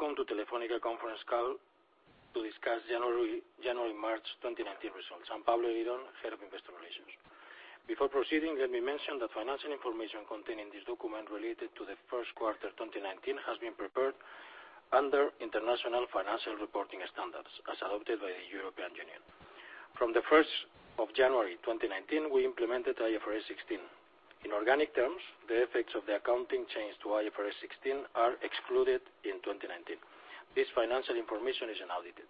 Good morning, welcome to Telefónica conference call to discuss January, March 2019 results. I'm Pablo Eguirón, head of investor relations. Before proceeding, let me mention that financial information contained in this document related to the first quarter 2019 has been prepared under International Financial Reporting Standards as adopted by the European Union. From the 1st of January 2019, we implemented IFRS 16. In organic terms, the effects of the accounting change to IFRS 16 are excluded in 2019. This financial information is unaudited.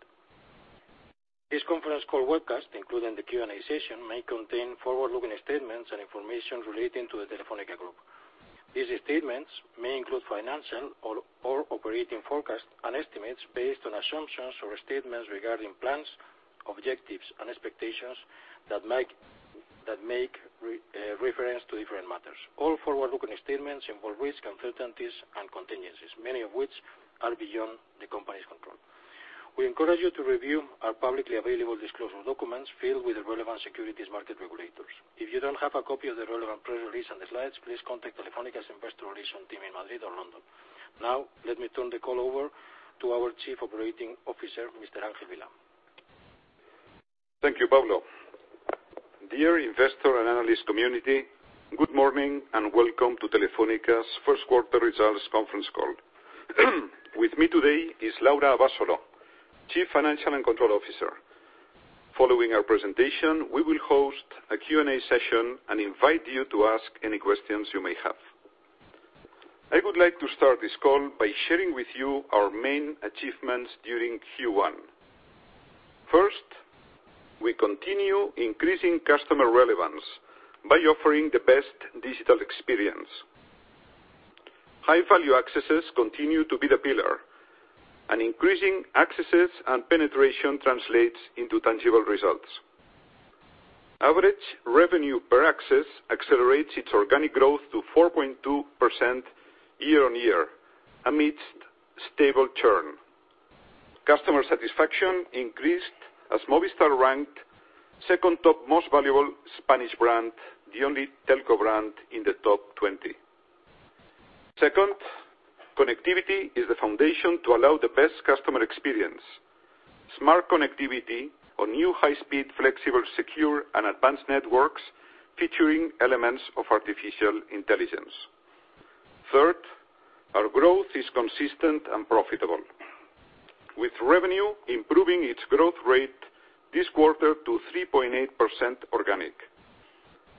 This conference call webcast, including the Q&A session, may contain forward-looking statements and information relating to the Telefónica Group. These statements may include financial or operating forecasts and estimates based on assumptions or statements regarding plans, objectives and expectations that make reference to different matters. All forward-looking statements involve risks, uncertainties and contingencies, many of which are beyond the company's control. We encourage you to review our publicly available disclosure documents filed with the relevant securities market regulators. If you don't have a copy of the relevant press release and the slides, please contact Telefónica's investor relation team in Madrid or London. Let me turn the call over to our Chief Operating Officer, Mr. Ángel Vilá. Thank you, Pablo. Dear investor and analyst community, good morning and welcome to Telefónica's first quarter results conference call. With me today is Laura Abasolo, Chief Financial and Control Officer. Following our presentation, we will host a Q&A session and invite you to ask any questions you may have. I would like to start this call by sharing with you our main achievements during Q1. First, we continue increasing customer relevance by offering the best digital experience. High-value accesses continue to be the pillar. Increasing accesses and penetration translates into tangible results. Average revenue per access accelerates its organic growth to 4.2% year-on-year amidst stable churn. Customer satisfaction increased as Movistar ranked second top most valuable Spanish brand, the only telco brand in the top 20. Second, connectivity is the foundation to allow the best customer experience. Smart connectivity on new high speed, flexible, secure, and advanced networks featuring elements of artificial intelligence. Third, our growth is consistent and profitable, with revenue improving its growth rate this quarter to 3.8% organic.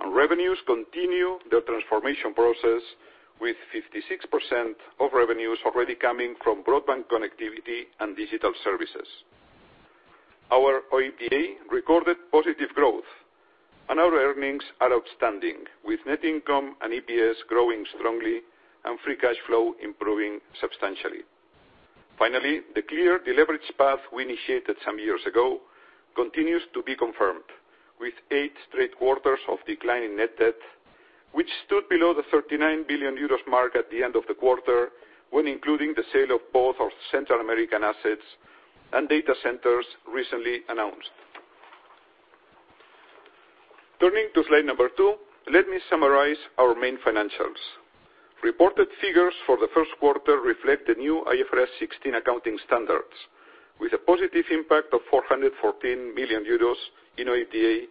Revenues continue their transformation process with 56% of revenues already coming from broadband connectivity and digital services. Our OIBDA recorded positive growth, and our earnings are outstanding, with net income and EPS growing strongly and free cash flow improving substantially. Finally, the clear deleverage path we initiated some years ago continues to be confirmed with eight straight quarters of decline in net debt, which stood below the 39 billion euros mark at the end of the quarter when including the sale of both our Central American assets and data centers recently announced. Turning to slide number two, let me summarize our main financials. Reported figures for the first quarter reflect the new IFRS 16 accounting standards, with a positive impact of 414 million euros in OIBDA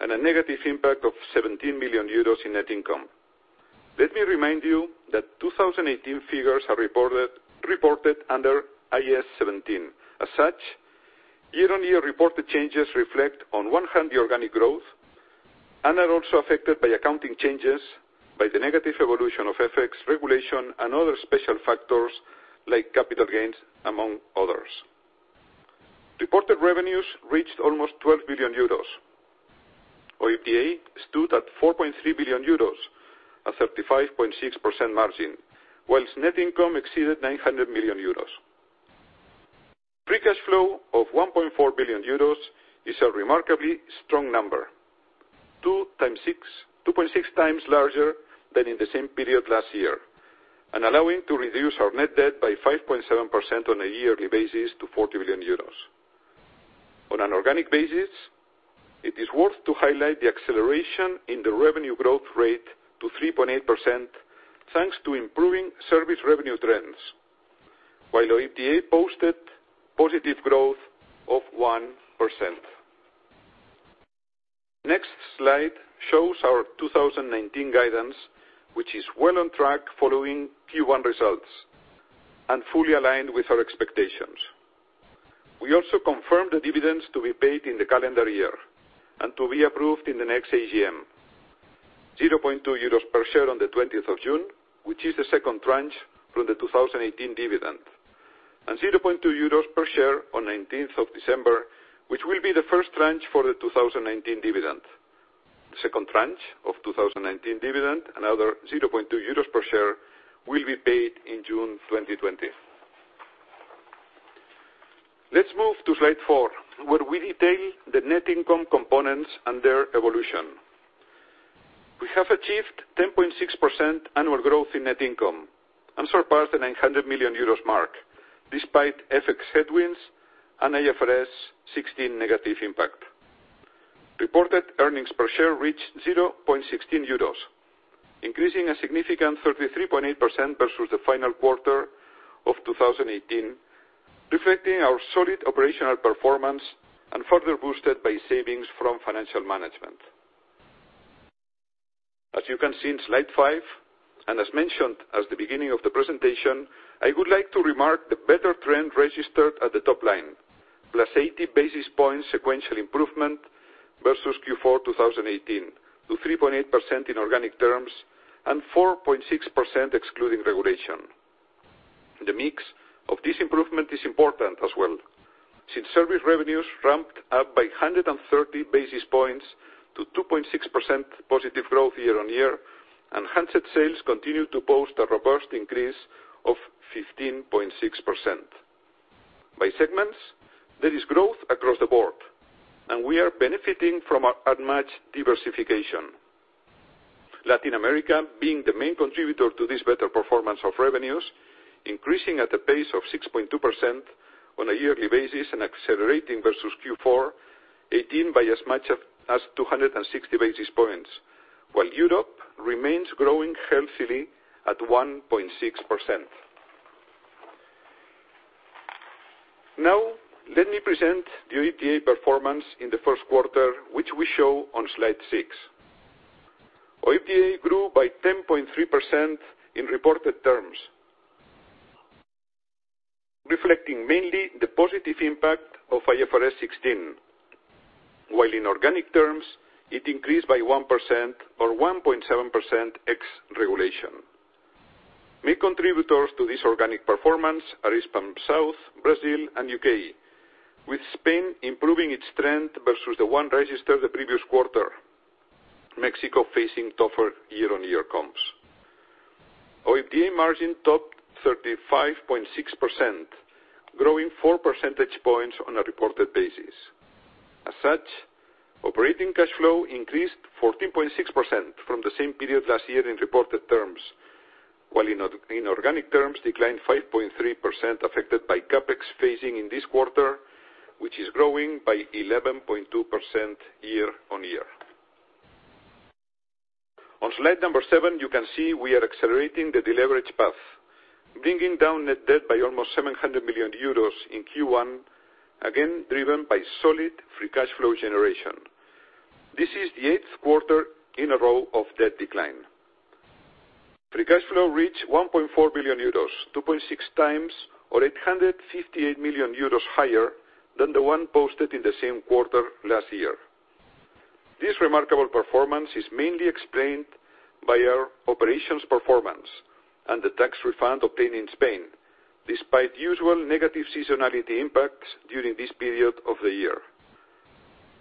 and a negative impact of 17 million euros in net income. Let me remind you that 2018 figures are reported under IAS 17. As such, year-on-year reported changes reflect on one hand the organic growth and are also affected by accounting changes by the negative evolution of FX regulation and other special factors like capital gains, among others. Reported revenues reached almost 12 billion euros. OIBDA stood at 4.3 billion euros, a 35.6% margin, whilst net income exceeded 900 million euros. Free cash flow of 1.4 billion euros is a remarkably strong number, 2.6 times larger than in the same period last year, and allowing to reduce our net debt by 5.7% on a yearly basis to 40 billion euros. On an organic basis, it is worth to highlight the acceleration in the revenue growth rate to 3.8% thanks to improving service revenue trends. OIBDA posted positive growth of 1%. Next slide shows our 2019 guidance, which is well on track following Q1 results and fully aligned with our expectations. We also confirm the dividends to be paid in the calendar year and to be approved in the next AGM. 0.20 euros per share on the 20th of June, which is the second tranche from the 2018 dividend, and 0.20 euros per share on 19th of December, which will be the first tranche for the 2019 dividend. The second tranche of 2019 dividend, another 0.20 euros per share, will be paid in June 2020. Let's move to slide 4, where we detail the net income components and their evolution. We have achieved 10.6% annual growth in net income and surpassed the 900 million euros mark despite FX headwinds and IFRS 16 negative impact. Reported earnings per share reached 0.16 euros, increasing a significant 33.8% versus the final quarter of 2018, reflecting our solid operational performance and further boosted by savings from financial management. As you can see in slide five, and as mentioned as the beginning of the presentation, I would like to remark the better trend registered at the top line, plus 80 basis points sequential improvement versus Q4 2018 to 3.8% in organic terms and 4.6% excluding regulation. The mix of this improvement is important as well, since service revenues ramped up by 130 basis points to 2.6% positive growth year-on-year, and handset sales continued to post a robust increase of 15.6%. By segments, there is growth across the board, and we are benefiting from our unmatched diversification. Latin America being the main contributor to this better performance of revenues, increasing at a pace of 6.2% on a yearly basis and accelerating versus Q4 2018 by as much as 260 basis points, while Europe remains growing healthily at 1.6%. Let me present the OIBDA performance in the first quarter, which we show on slide six. OIBDA grew by 10.3% in reported terms, reflecting mainly the positive impact of IFRS 16, while in organic terms, it increased by 1% or 1.7% ex regulation. Main contributors to this organic performance are Hispam South, Brazil, and U.K., with Spain improving its trend versus the one registered the previous quarter, Mexico facing tougher year-on-year comps. OIBDA margin topped 35.6%, growing four percentage points on a reported basis. As such, operating cash flow increased 14.6% from the same period last year in reported terms, while in organic terms, declined 5.3%, affected by CapEx phasing in this quarter, which is growing by 11.2% year-on-year. On slide number seven, you can see we are accelerating the deleverage path, bringing down net debt by almost 700 million euros in Q1, again, driven by solid free cash flow generation. This is the eighth quarter in a row of debt decline. Free cash flow reached 1.4 billion euros, 2.6 times or 858 million euros higher than the one posted in the same quarter last year. This remarkable performance is mainly explained by our operations performance and the tax refund obtained in Spain, despite usual negative seasonality impacts during this period of the year.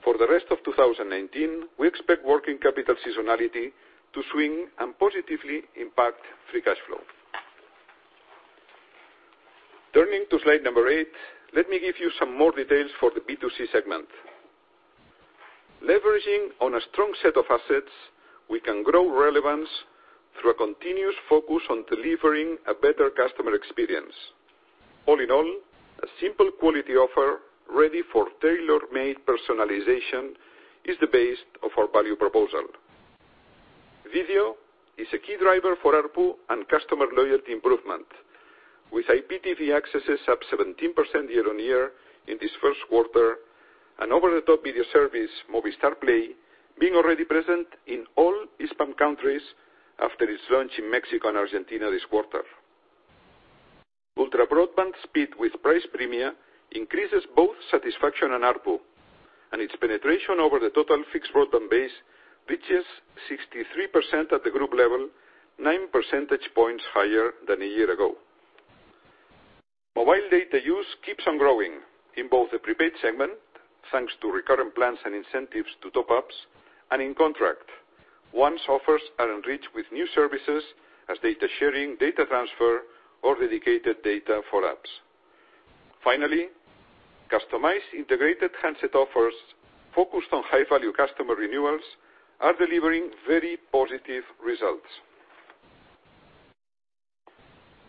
For the rest of 2019, we expect working capital seasonality to swing and positively impact free cash flow. Turning to slide number eight, let me give you some more details for the B2C segment. Leveraging on a strong set of assets, we can grow relevance through a continuous focus on delivering a better customer experience. All in all, a simple quality offer ready for tailor-made personalization is the base of our value proposal. Video is a key driver for ARPU and customer loyalty improvement, with IPTV accesses up 17% year-on-year in this first quarter and over-the-top video service, Movistar Play, being already present in all Hispam countries after its launch in Mexico and Argentina this quarter. Ultra-broadband speed with price premia increases both satisfaction and ARPU, and its penetration over the total fixed broadband base reaches 63% at the group level, nine percentage points higher than a year ago. Mobile data use keeps on growing in both the prepaid segment, thanks to recurrent plans and incentives to top-ups, and in contract. Offers are enriched with new services as data sharing, data transfer, or dedicated data for apps. Finally, customized integrated handset offers focused on high-value customer renewals are delivering very positive results.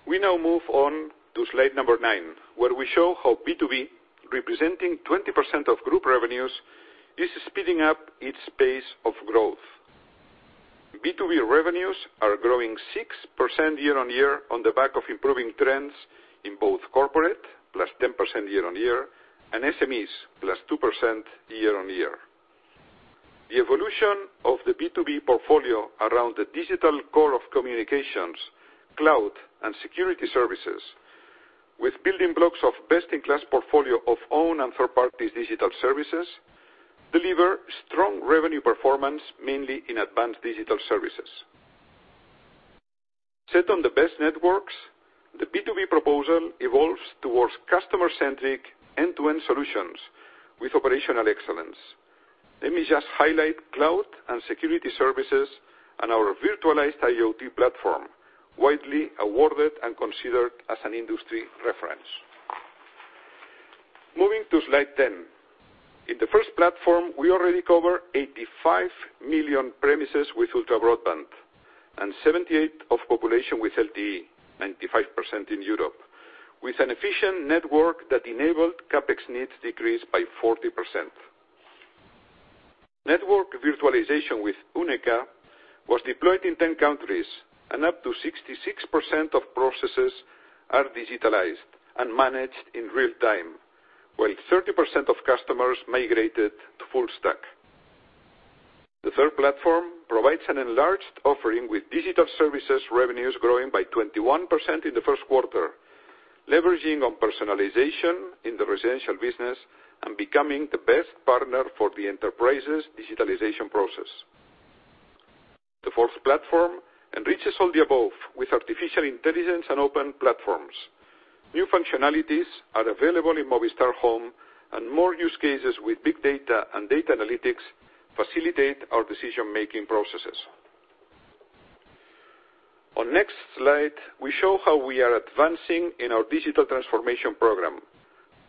We now move on to slide number nine, where we show how B2B, representing 20% of group revenues, is speeding up its pace of growth. B2B revenues are growing 6% year-on-year on the back of improving trends in both corporate, plus 10% year-on-year, and SMEs, plus 2% year-on-year. The evolution of the B2B portfolio around the digital core of communications, cloud, and security services with building blocks of best-in-class portfolio of own and third parties' digital services, deliver strong revenue performance, mainly in advanced digital services. Set on the best networks, the B2B proposal evolves towards customer-centric end-to-end solutions with operational excellence. Let me just highlight cloud and security services and our virtualized IoT platform, widely awarded and considered as an industry reference. Moving to slide 10. In the first platform, we already cover 85 million premises with ultra-broadband. Seventy-eight percent of population with LTE, 95% in Europe, with an efficient network that enabled CapEx needs decrease by 40%. Network virtualization with UNICA was deployed in 10 countries and up to 66% of processes are digitalized and managed in real time, while 30% of customers migrated to full stack. The third platform provides an enlarged offering with digital services revenues growing by 21% in the first quarter, leveraging on personalization in the residential business and becoming the best partner for the enterprise's digitalization process. The fourth platform enriches all the above with artificial intelligence and open platforms. New functionalities are available in Movistar Home and more use cases with big data and data analytics facilitate our decision-making processes. On next slide, we show how we are advancing in our digital transformation program,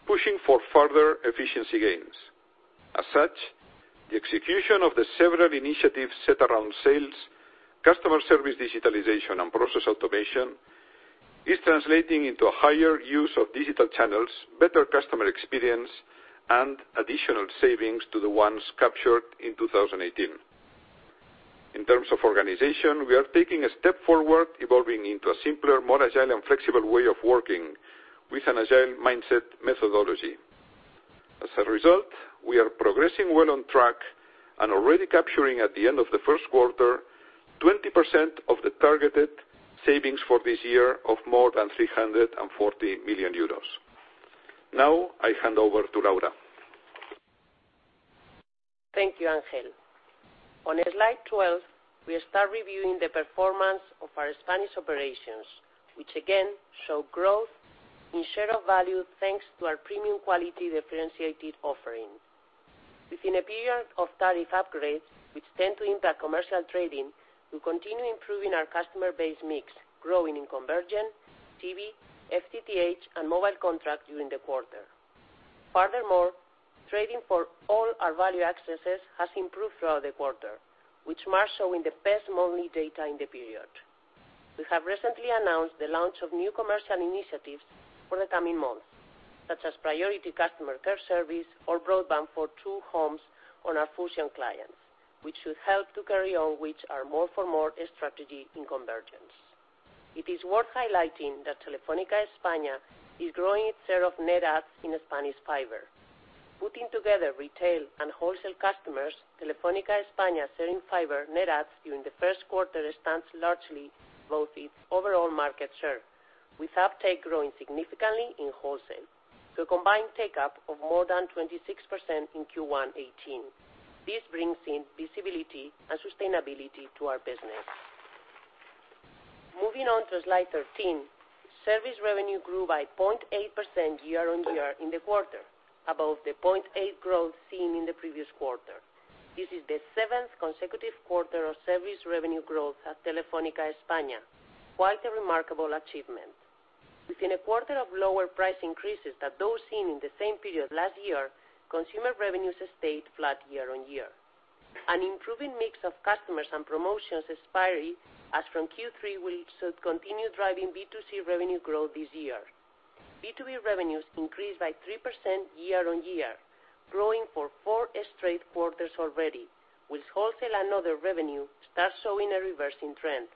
pushing for further efficiency gains. As such, the execution of the several initiatives set around sales, customer service digitalization, and process automation is translating into a higher use of digital channels, better customer experience, and additional savings to the ones captured in 2018. In terms of organization, we are taking a step forward, evolving into a simpler, more agile, and flexible way of working with an agile mindset methodology. As a result, we are progressing well on track and already capturing at the end of the first quarter, 20% of the targeted savings for this year of more than 340 million euros. I hand over to Laura. Thank you, Ángel. On slide 12, we start reviewing the performance of our Spanish operations, which again show growth in share of value, thanks to our premium quality differentiated offering. Within a period of tariff upgrades, which tend to impact commercial trading, we continue improving our customer base mix, growing in convergent TV, FTTH, and mobile contract during the quarter. Furthermore, trading for all our value accesses has improved throughout the quarter, which March show in the best monthly data in the period. We have recently announced the launch of new commercial initiatives for the coming months, such as priority customer care service or broadband for two homes on our Fusión clients, which should help to carry on with our more-for-more strategy in convergence. It is worth highlighting that Telefónica España is growing its share of net adds in Spanish fiber. Putting together retail and wholesale customers, Telefónica España selling fiber net adds during the first quarter stands largely both its overall market share, with uptake growing significantly in wholesale to a combined takeup of more than 26% in Q1 2018. This brings in visibility and sustainability to our business. Moving on to slide 13, service revenue grew by 0.8% year-on-year in the quarter, above the 0.8% growth seen in the previous quarter. This is the seventh consecutive quarter of service revenue growth at Telefónica España. Quite a remarkable achievement. Within a quarter of lower price increases than those seen in the same period last year, consumer revenues stayed flat year-on-year. An improving mix of customers and promotions expiry as from Q3 should continue driving B2C revenue growth this year. B2B revenues increased by 3% year-on-year, growing for four straight quarters already, with wholesale and other revenue start showing a reversing trend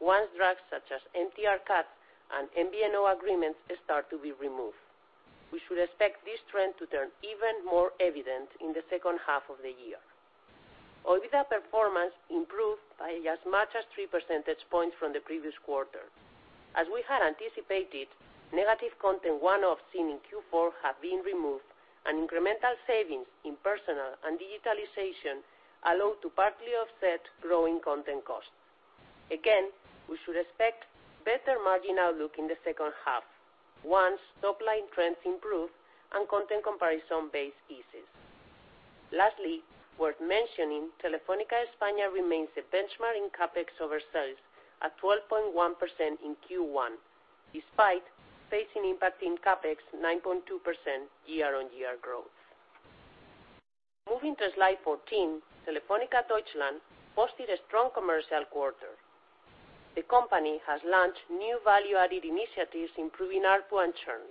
once drags such as MTR cut and MVNO agreements start to be removed. We should expect this trend to turn even more evident in the second half of the year. OIBDA performance improved by as much as 3% from the previous quarter. As we had anticipated, negative content one-off seen in Q4 have been removed, and incremental savings in personal and digitalization allow to partly offset growing content costs. We should expect better margin outlook in the second half once top line trends improve and content comparison base eases. Lastly, worth mentioning, Telefónica España remains a benchmark in CapEx over sales at 12.1% in Q1, despite facing impacting CapEx 9.2% year-on-year growth. Moving to slide 14, Telefónica Deutschland posted a strong commercial quarter. The company has launched new value-added initiatives improving ARPU and churn.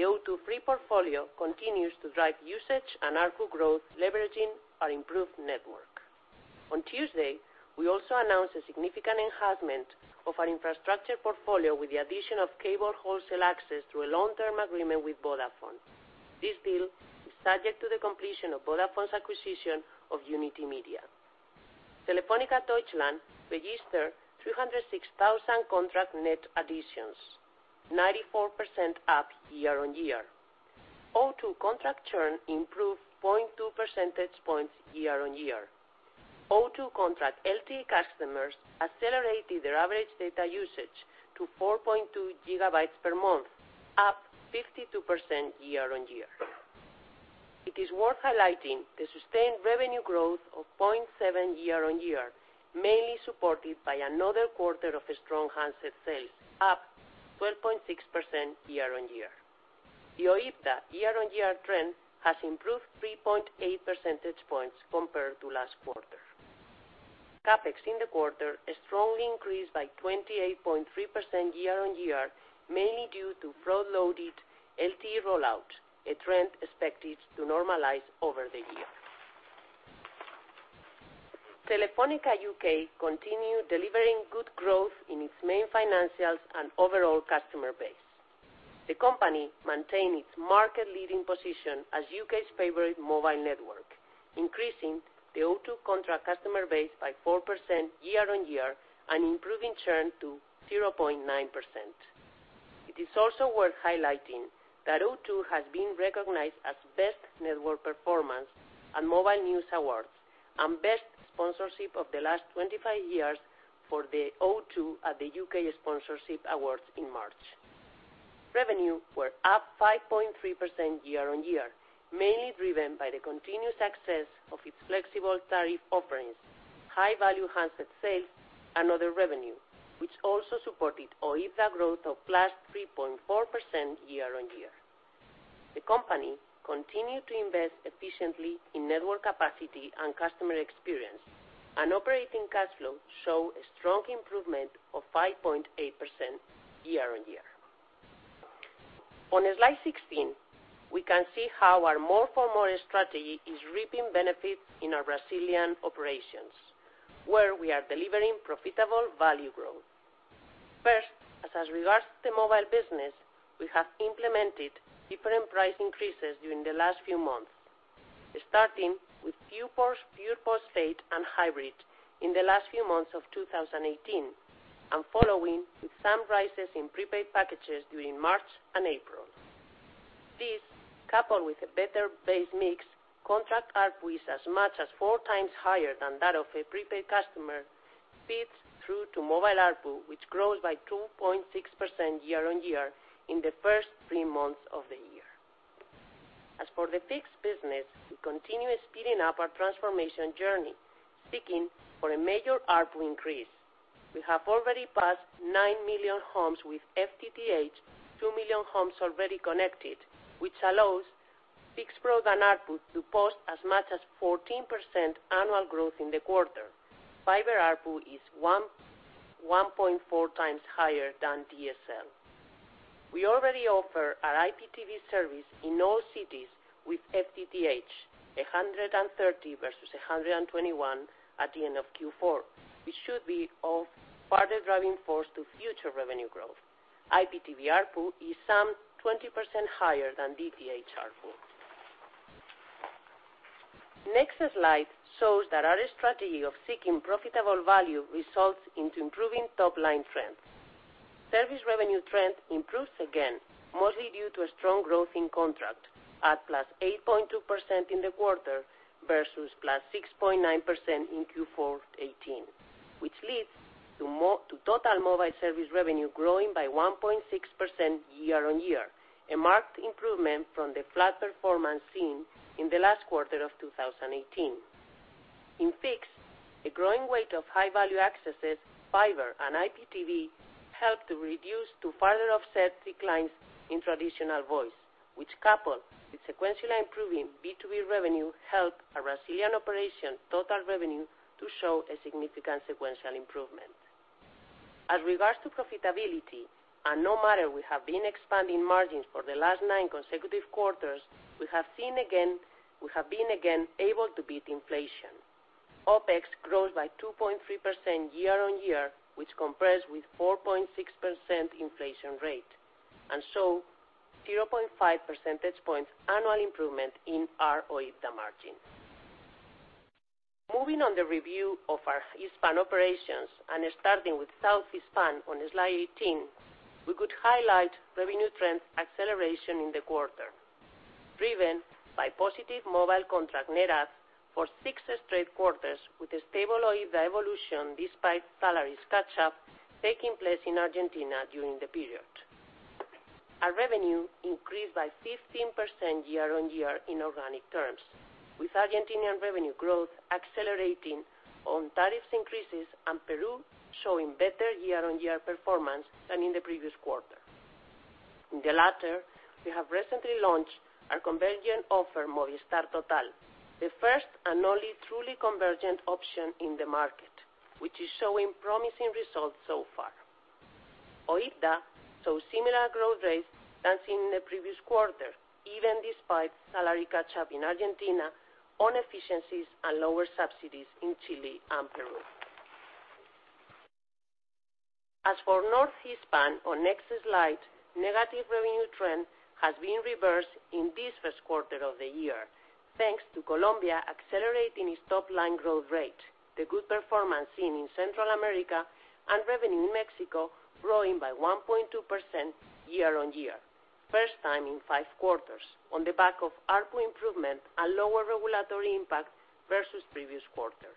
The O2 Free portfolio continues to drive usage and ARPU growth leveraging our improved network. On Tuesday, we also announced a significant enhancement of our infrastructure portfolio with the addition of cable wholesale access through a long-term agreement with Vodafone. This deal is subject to the completion of Vodafone's acquisition of Unitymedia. Telefónica Deutschland registered 306,000 contract net additions, 94% up year-on-year. O2 contract churn improved 0.2% year-on-year. O2 contract LTE customers accelerated their average data usage to 4.2 gigabytes per month, up 52% year-on-year. It is worth highlighting the sustained revenue growth of 0.7% year-on-year, mainly supported by another quarter of strong handset sales, up 12.6% year-on-year. The OIBDA year-on-year trend has improved 3.8 percentage points compared to last quarter. CapEx in the quarter strongly increased by 28.3% year-on-year, mainly due to front-loaded LTE rollout, a trend expected to normalize over the year. Telefónica UK continued delivering good growth in its main financials and overall customer base. The company maintained its market-leading position as U.K.'s favorite mobile network, increasing the O2 contract customer base by 4% year-on-year and improving churn to 0.9%. It is also worth highlighting that O2 has been recognized as Best Network Performance at Mobile News Awards, and Best Sponsorship of the last 25 years for the O2 at the U.K. Sponsorship Awards in March. Revenue were up 5.3% year-on-year, mainly driven by the continued success of its flexible tariff offerings, high-value handset sales, and other revenue, which also supported OIBDA growth of +3.4% year-on-year. The company continued to invest efficiently in network capacity and customer experience, and operating cash flow show a strong improvement of 5.8% year-on-year. On slide 16, we can see how our More for More strategy is reaping benefits in our Brazilian operations, where we are delivering profitable value growth. First, as regards to the mobile business, we have implemented different price increases during the last few months, starting with pure postpaid and hybrid in the last few months of 2018, and following with some rises in prepaid packages during March and April. This, coupled with a better base mix, contract ARPU is as much as four times higher than that of a prepaid customer, feeds through to mobile ARPU, which grows by 2.6% year-on-year in the first three months of the year. As for the fixed business, we continue speeding up our transformation journey, seeking for a major ARPU increase. We have already passed 9 million homes with FTTH, 2 million homes already connected, which allows fixed broad ARPU to post as much as 14% annual growth in the quarter. Fiber ARPU is 1.4 times higher than DSL. We already offer our IPTV service in all cities with FTTH, 130 versus 121 at the end of Q4, which should be a further driving force to future revenue growth. IPTV ARPU is some 20% higher than DTH ARPU. Next slide shows that our strategy of seeking profitable value results into improving top-line trends. Service revenue trend improves again, mostly due to a strong growth in contract at +8.2% in the quarter versus +6.9% in Q4 2018, which leads to total mobile service revenue growing by 1.6% year-on-year, a marked improvement from the flat performance seen in the last quarter of 2018. In fixed, a growing weight of high-value accesses, fiber and IPTV helped to further offset declines in traditional voice, which, coupled with sequentially improving B2B revenue, helped our Brazilian operation total revenue to show a significant sequential improvement. As regards to profitability, no matter we have been expanding margins for the last nine consecutive quarters, we have been again able to beat inflation. OPEX grows by 2.3% year-on-year, which compares with 4.6% inflation rate, 0.5 percentage points annual improvement in our OIBDA margin. Moving on the review of our Hispam operations and starting with South Hispam on slide 18, we could highlight revenue trend acceleration in the quarter, driven by positive mobile contract net adds for six straight quarters with a stable OIBDA evolution despite salary catch-up taking place in Argentina during the period. Our revenue increased by 15% year-on-year in organic terms, with Argentinian revenue growth accelerating on tariffs increases and Peru showing better year-on-year performance than in the previous quarter. In the latter, we have recently launched our convergent offer, Movistar Total, the first and only truly convergent option in the market, which is showing promising results so far. OIBDA saw similar growth rates as in the previous quarter, even despite salary catch-up in Argentina on efficiencies and lower subsidies in Chile and Peru. As for North Hispam on next slide, negative revenue trend has been reversed in this first quarter of the year, thanks to Colombia accelerating its top-line growth rate, the good performance seen in Central America, and revenue in Mexico growing by 1.2% year-on-year, first time in five quarters, on the back of ARPU improvement and lower regulatory impact versus previous quarter.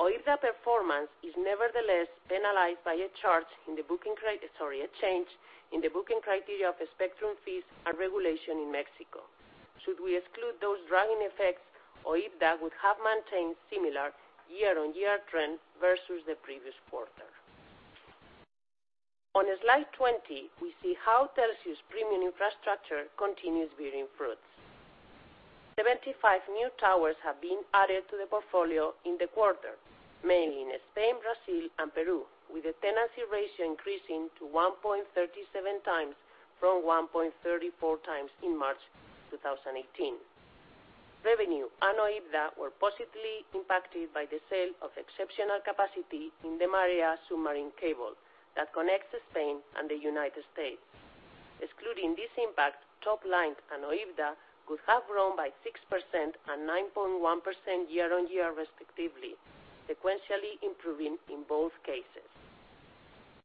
OIBDA performance is nevertheless penalized by a charge in the booking, a change in the booking criteria of spectrum fees and regulation in Mexico. Should we exclude those dragging effects, OIBDA would have maintained similar year-on-year trend versus the previous quarter. On slide 20, we see how Telxius premium infrastructure continues bearing fruits. 75 new towers have been added to the portfolio in the quarter, mainly in Spain, Brazil, and Peru, with the tenancy ratio increasing to 1.37 times from 1.34 times in March 2018. Revenue and OIBDA were positively impacted by the sale of exceptional capacity in the Marea submarine cable that connects Spain and the United States. Excluding this impact, top line and OIBDA could have grown by 6% and 9.1% year-on-year respectively, sequentially improving in both cases.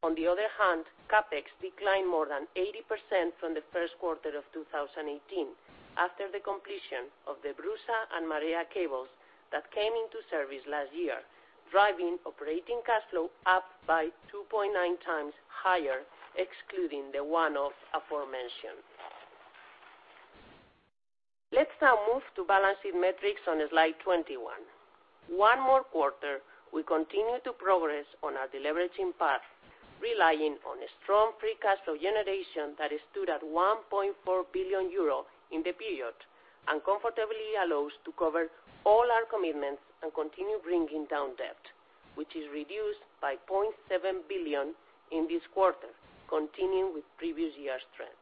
On the other hand, CapEx declined more than 80% from the first quarter of 2018 after the completion of the BRUSA and Marea cables that came into service last year, driving operating cash flow up by 2.9 times higher, excluding the one-off aforementioned. Let's now move to balancing metrics on slide 21. One more quarter, we continue to progress on our deleveraging path, relying on a strong free cash flow generation that stood at 1.4 billion euro in the period and comfortably allows to cover all our commitments and continue bringing down debt, which is reduced by 0.7 billion in this quarter, continuing with previous year's trend.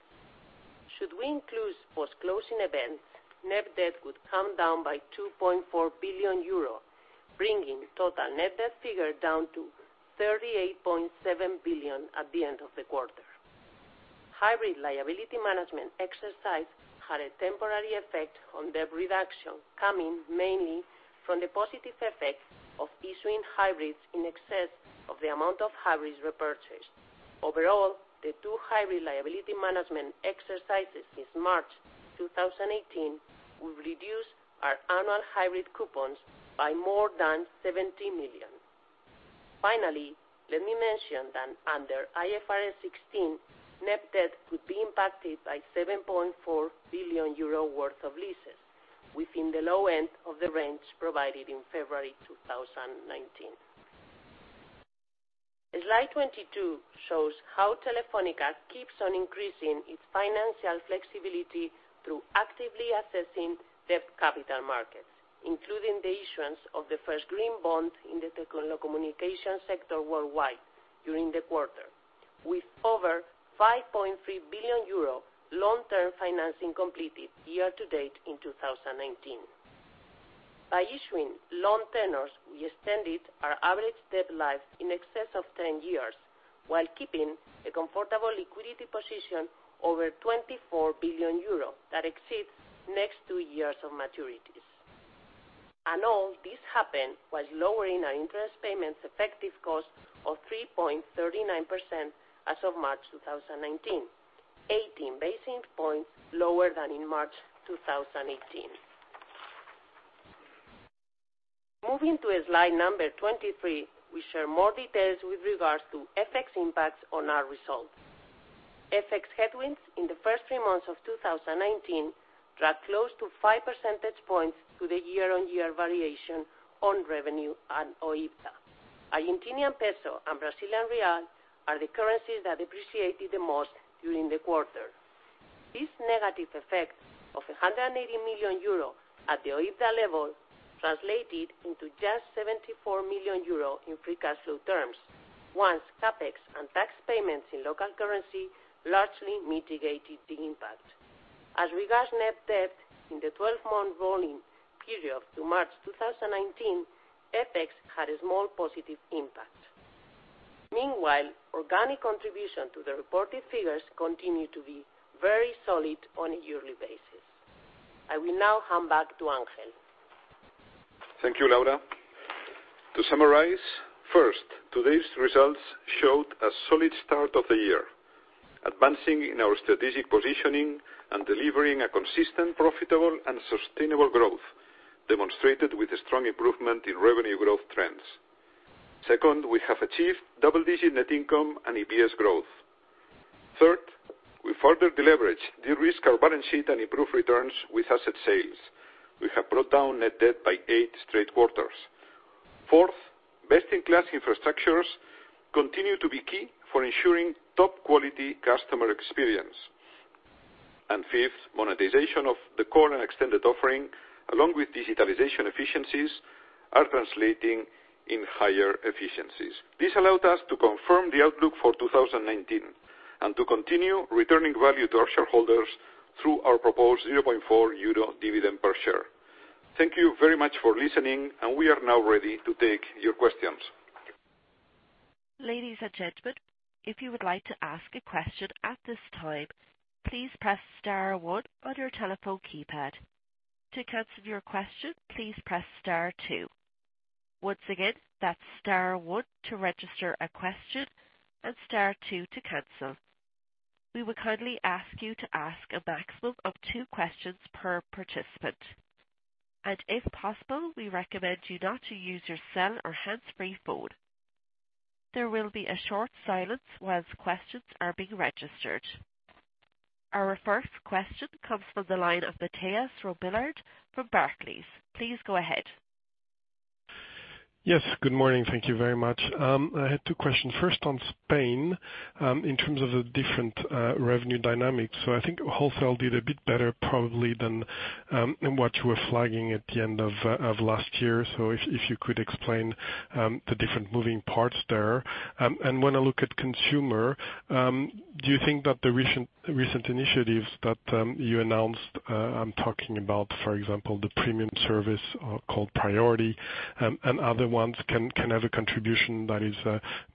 Should we include post-closing events, net debt would come down by 2.4 billion euro, bringing total net debt figure down to 38.7 billion at the end of the quarter. Hybrid liability management exercise had a temporary effect on debt reduction, coming mainly from the positive effect of issuing hybrids in excess of the amount of hybrids repurchased. Overall, the two hybrid liability management exercises since March 2018 will reduce our annual hybrid coupons by more than 70 million. Finally, let me mention that under IFRS 16, net debt could be impacted by 7.4 billion euro worth of leases within the low end of the range provided in February 2019. Slide 22 shows how Telefónica keeps on increasing its financial flexibility through actively assessing debt capital markets, including the issuance of the first green bond in the telecommunication sector worldwide during the quarter. With over 5.3 billion euro long-term financing completed year to date in 2018. By issuing loan tenors, we extended our average debt life in excess of 10 years while keeping a comfortable liquidity position over 24 billion euro that exceeds next two years of maturities. All this happened while lowering our interest payments effective cost of 3.39% as of March 2019, 18 basis points lower than in March 2018. Moving to slide number 23, we share more details with regards to FX impacts on our results. FX headwinds in the first three months of 2019 dragged close to five percentage points to the year-on-year variation on revenue and OIBDA. Argentinian peso and Brazilian real are the currencies that appreciated the most during the quarter. This negative effect of 180 million euro at the OIBDA level translated into just 74 million euro in free cash flow terms, once CapEx and tax payments in local currency largely mitigated the impact. As regards net debt in the 12-month rolling period to March 2019, FX had a small positive impact. Meanwhile, organic contribution to the reported figures continued to be very solid on a yearly basis. I will now hand back to Ángel. Thank you, Laura. To summarize, first, today's results showed a solid start of the year, advancing in our strategic positioning and delivering a consistent, profitable, and sustainable growth demonstrated with a strong improvement in revenue growth trends. Second, we have achieved double-digit net income and EPS growth. Third, we further deleveraged, de-risked our balance sheet, and improved returns with asset sales. We have brought down net debt by eight straight quarters. Fourth, best-in-class infrastructures continue to be key for ensuring top-quality customer experience. Fifth, monetization of the core and extended offering, along with digitalization efficiencies, are translating in higher efficiencies. This allowed us to confirm the outlook for 2019 and to continue returning value to our shareholders through our proposed 0.4 euro dividend per share. Thank you very much for listening, and we are now ready to take your questions. Ladies and gentlemen, if you would like to ask a question at this time, please press *1 on your telephone keypad. To cancel your question, please press *2. Once again, that's *1 to register a question and *2 to cancel. We would kindly ask you to ask a maximum of two questions per participant. If possible, we recommend you not to use your cell or hands-free phone. There will be a short silence whilst questions are being registered. Our first question comes from the line of Mathieu Robilliard from Barclays. Please go ahead. Yes, good morning. Thank you very much. I had two questions. First, on Spain, in terms of the different revenue dynamics. I think wholesale did a bit better probably than what you were flagging at the end of last year. If you could explain the different moving parts there. When I look at consumer, do you think that the recent initiatives that you announced, I'm talking about, for example, the premium service called Priority, and other ones, can have a contribution that is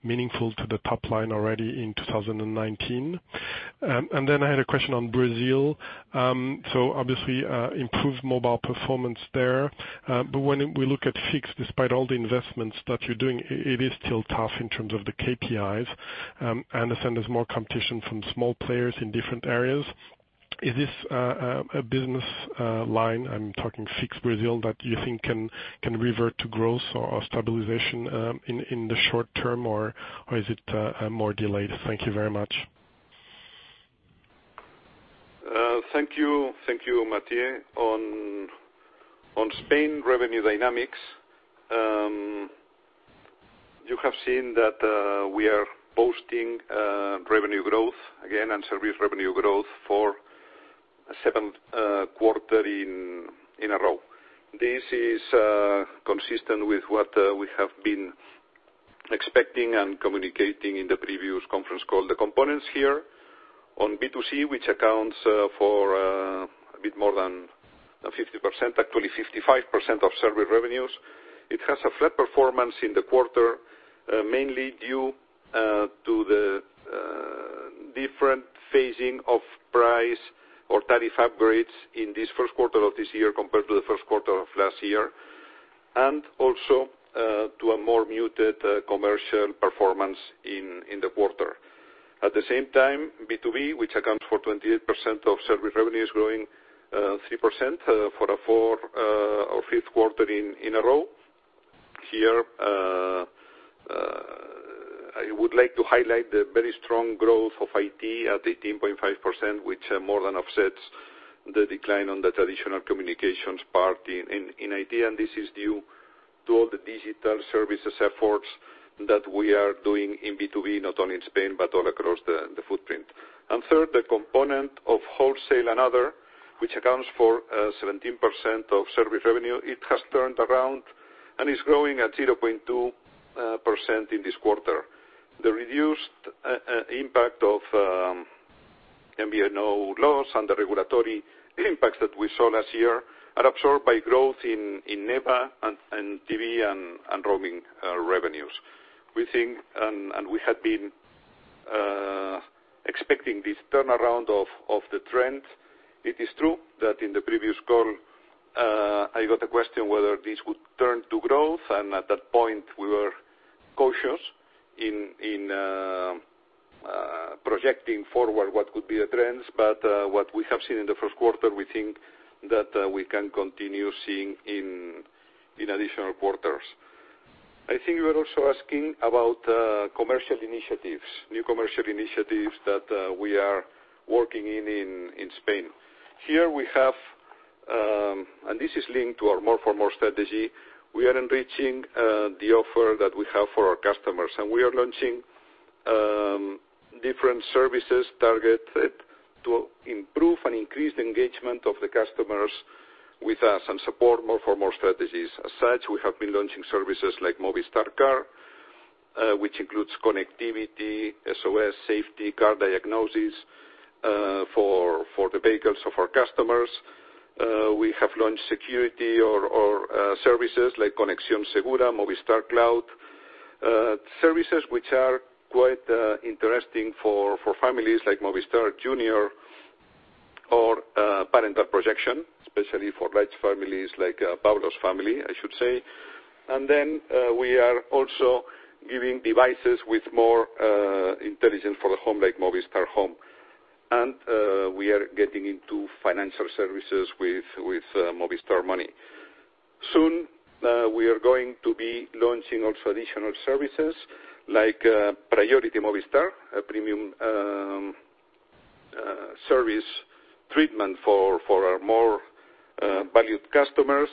meaningful to the top line already in 2019? I had a question on Brazil. Obviously, improved mobile performance there. When we look at fixed, despite all the investments that you're doing, it is still tough in terms of the KPIs. I understand there's more competition from small players in different areas. Is this a business line, I'm talking fixed Brazil, that you think can revert to growth or stabilization in the short term, or is it more delayed? Thank you very much. Thank you, Mathieu. On Spain revenue dynamics, you have seen that we are posting revenue growth again and service revenue growth for a seventh quarter in a row. This is consistent with what we have been expecting and communicating in the previous conference call. The components here on B2C, which accounts for a bit more than 50%, actually 55% of service revenues. It has a flat performance in the quarter, mainly due to the different phasing of price or tariff upgrades in this first quarter of this year compared to the first quarter of last year. Also to a more muted commercial performance in the quarter. At the same time, B2B, which accounts for 28% of service revenue, is growing 3% for a fourth or fifth quarter in a row. Here, I would like to highlight the very strong growth of IT at 18.5%, which more than offsets the decline on the traditional communications part in IT, this is due to all the digital services efforts that we are doing in B2B, not only in Spain, but all across the footprint. Third, the component of wholesale and other, which accounts for 17% of service revenue, it has turned around and is growing at 0.2% in this quarter. The reduced impact of MVNO laws and the regulatory impacts that we saw last year are absorbed by growth in NEBA and TV and roaming revenues. We think, and we had been expecting this turnaround of the trend. It is true that in the previous call, I got a question whether this would turn to growth, and at that point, we were cautious in projecting forward what could be the trends. What we have seen in the first quarter, we think that we can continue seeing in additional quarters. I think you were also asking about commercial initiatives, new commercial initiatives that we are working in Spain. Here we have, and this is linked to our More for More strategy, we are enriching the offer that we have for our customers. We are launching different services targeted to improve and increase the engagement of the customers with us and support More for More strategies. As such, we have been launching services like Movistar Car, which includes connectivity, SOS, safety, car diagnosis, for the vehicles of our customers. We have launched security or services like Conexión Segura, Movistar Cloud. Services which are quite interesting for families like Movistar Junior or parental projection, especially for large families like Pablo's family, I should say. We are also giving devices with more intelligence for the home, like Movistar Home. We are getting into financial services with Movistar Money. Soon, we are going to be launching also additional services like Priority Movistar, a premium service treatment for our more valued customers.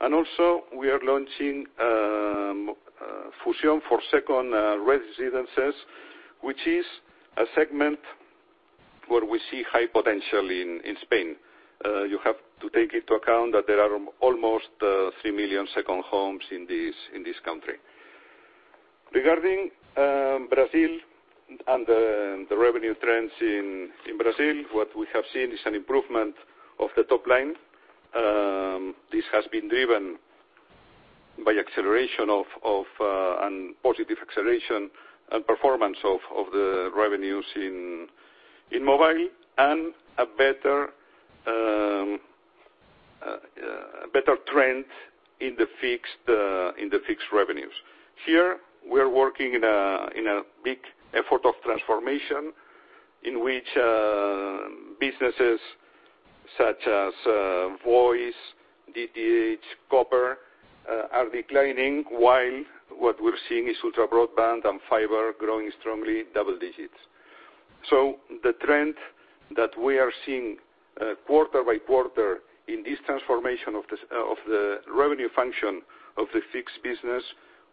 We are launching Fusión for second residences, which is a segment where we see high potential in Spain. You have to take into account that there are almost 3 million second homes in this country. Regarding Brazil and the revenue trends in Brazil, what we have seen is an improvement of the top line. This has been driven by acceleration of, and positive acceleration and performance of the revenues in mobile, and a better trend in the fixed revenues. Here, we're working in a big effort of transformation in which businesses such as voice, DTH, copper are declining, while what we're seeing is ultra-broadband and fiber growing strongly, double digits. The trend that we are seeing quarter by quarter in this transformation of the revenue function of the fixed business,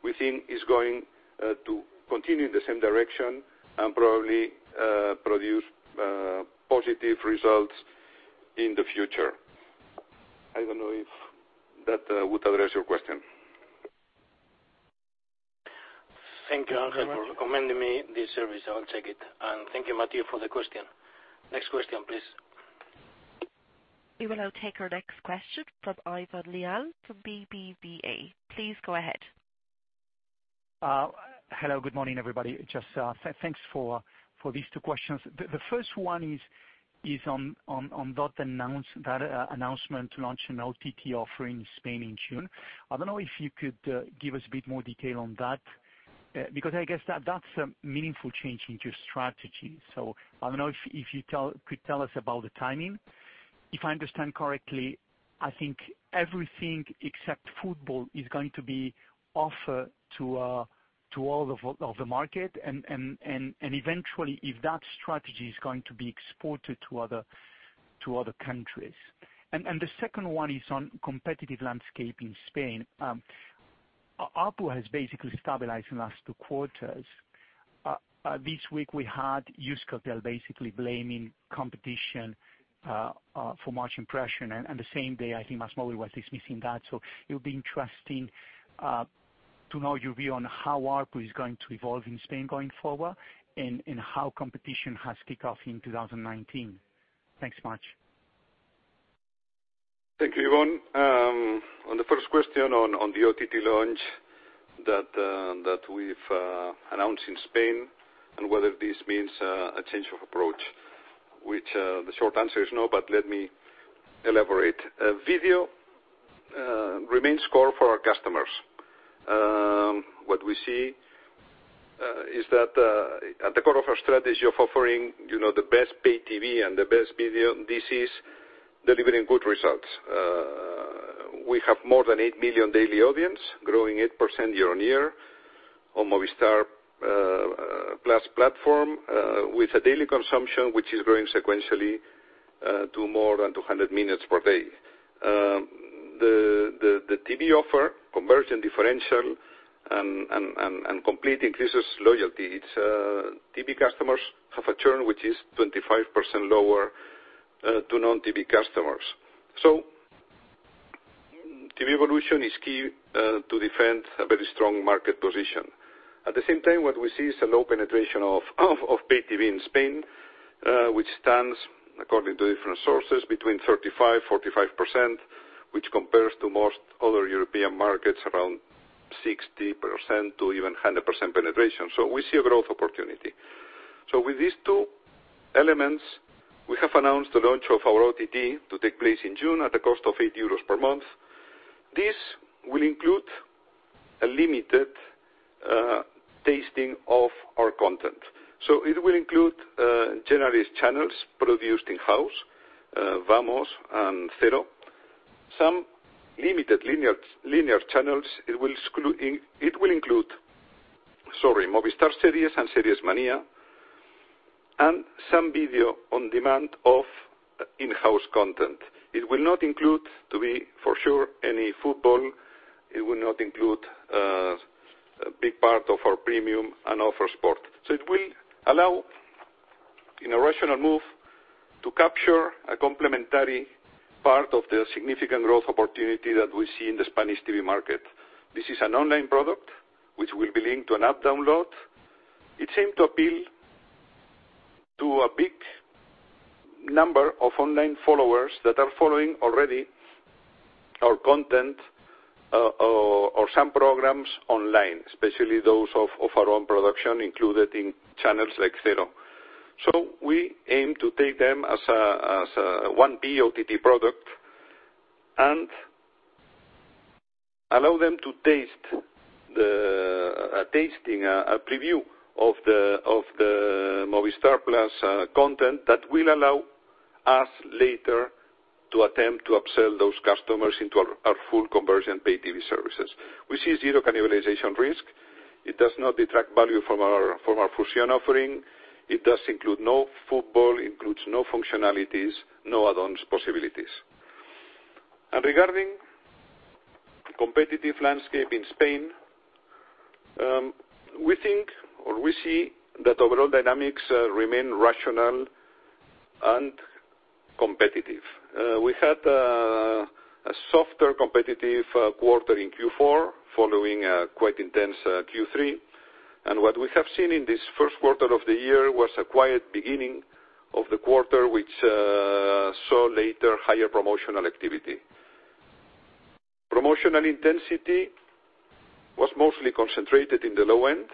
we think is going to continue in the same direction and probably produce positive results in the future. I don't know if that would address your question. Thank you, Ángel, for recommending me this service. I will check it. Thank you, Mathieu, for the question. Next question, please. We will now take our next question from Ivan Lian from BBVA. Please go ahead. Hello. Good morning, everybody. Thanks for these two questions. The first one is on that announcement to launch an OTT offering in Spain in June. I don't know if you could give us a bit more detail on that, because I guess that's a meaningful change in your strategy. I don't know if you could tell us about the timing. If I understand correctly, I think everything except football is going to be offered to all of the market, eventually, if that strategy is going to be exported to other countries. The second one is on competitive landscape in Spain. ARPU has basically stabilized in the last two quarters. This week, we had Euskaltel basically blaming competition for margin pressure. The same day, I think MásMóvil was dismissing that. It would be interesting to know your view on how ARPU is going to evolve in Spain going forward and how competition has kicked off in 2019. Thanks much. Thank you, Ivan. The first question on the OTT launch that we've announced in Spain and whether this means a change of approach, which the short answer is no, but let me elaborate. Video remains core for our customers. At the core of our strategy of offering the best pay TV and the best video, this is delivering good results. We have more than 8 million daily audience, growing 8% year on year on Movistar+ platform, with a daily consumption which is growing sequentially to more than 200 minutes per day. The TV offer, convergent differential and complete increases loyalty. TV customers have a churn which is 25% lower to non-TV customers. TV evolution is key to defend a very strong market position. Low penetration of pay TV in Spain, which stands according to different sources, between 35%-45%, which compares to most other European markets, around 60% to even 100% penetration. We see a growth opportunity. With these two elements, we have announced the launch of our OTT to take place in June at a cost of 8 euros per month. This will include a limited tasting of our content. It will include generous channels produced in-house, #Vamos and #0, some limited linear channels. It will include Movistar Series and Series Mania, and some video on demand of in-house content. It will not include, to be sure, any football. It will not include a big part of our premium and offer sport. It will allow, in a rational move, to capture a complementary part of the significant growth opportunity that we see in the Spanish TV market. This is an online product which will be linked to an app download. It's aimed to appeal to a big number of online followers that are following already our content or some programs online, especially those of our own production included in channels like #0. We aim to take them as a 1P OTT product and allow them to taste a preview of the Movistar+ content that will allow us later to attempt to upsell those customers into our full conversion pay TV services. We see zero cannibalization risk. It does not detract value from our Fusión offering. It does include no football, includes no functionalities, no add-ons possibilities. Regarding competitive landscape in Spain, we think or we see that overall dynamics remain rational and competitive. We had a softer competitive quarter in Q4 following a quite intense Q3. What we have seen in this first quarter of the year was a quiet beginning of the quarter, which saw later higher promotional activity. Promotional intensity was mostly concentrated in the low end,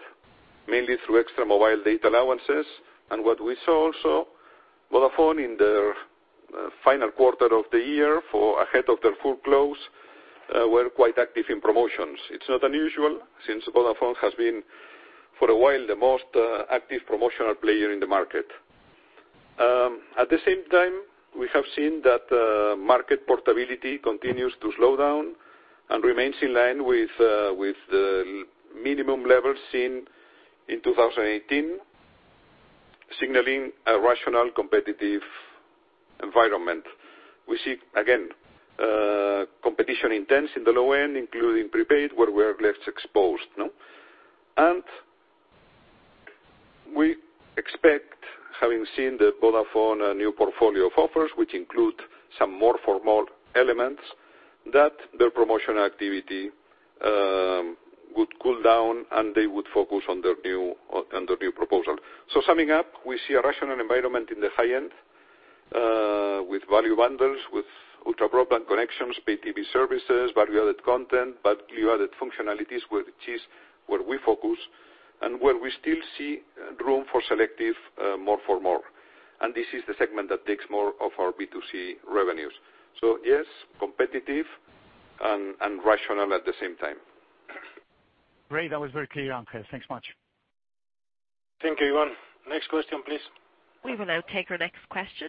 mainly through extra mobile data allowances. What we saw also, Vodafone in their final quarter of the year ahead of their full close, were quite active in promotions. It's not unusual, since Vodafone has been, for a while, the most active promotional player in the market. At the same time, we have seen that market portability continues to slow down and remains in line with the minimum levels seen in 2018, signaling a rational, competitive environment. We see, again, competition intense in the low-end, including prepaid, where we are less exposed. We expect, having seen the Vodafone new portfolio of offers, which include some more for more elements, that their promotion activity would cool down, and they would focus on their new proposal. Summing up, we see a rational environment in the high end with value bundles, with ultra broadband connections, pay TV services, value-added content, value-added functionalities, which is where we focus, and where we still see room for selective more for more. This is the segment that takes more of our B2C revenues. Yes, competitive and rational at the same time. Great. That was very clear, Ángel. Thanks much. Thank you, Ivan. Next question, please. We will now take our next question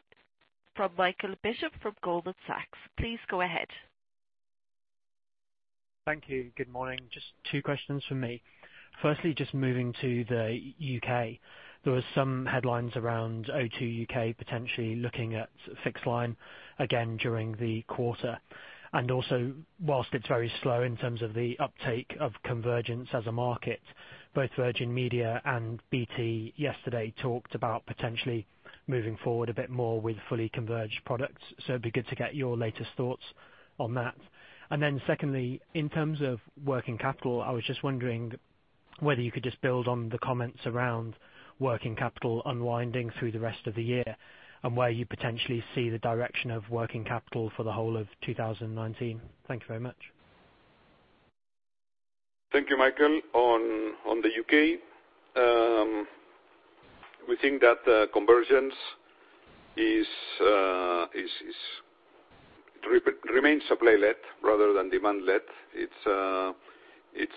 from Michael Bishop from Goldman Sachs. Please go ahead. Thank you. Good morning. Just two questions from me. Firstly, just moving to the U.K. There were some headlines around O2 UK potentially looking at fixed line again during the quarter. Whilst it's very slow in terms of the uptake of convergence as a market, both Virgin Media and BT yesterday talked about potentially moving forward a bit more with fully converged products. It'd be good to get your latest thoughts on that. Secondly, in terms of working capital, I was just wondering whether you could just build on the comments around working capital unwinding through the rest of the year, and where you potentially see the direction of working capital for the whole of 2019. Thank you very much. Thank you, Michael. On the U.K., we think that convergence remains supply-led rather than demand-led. It's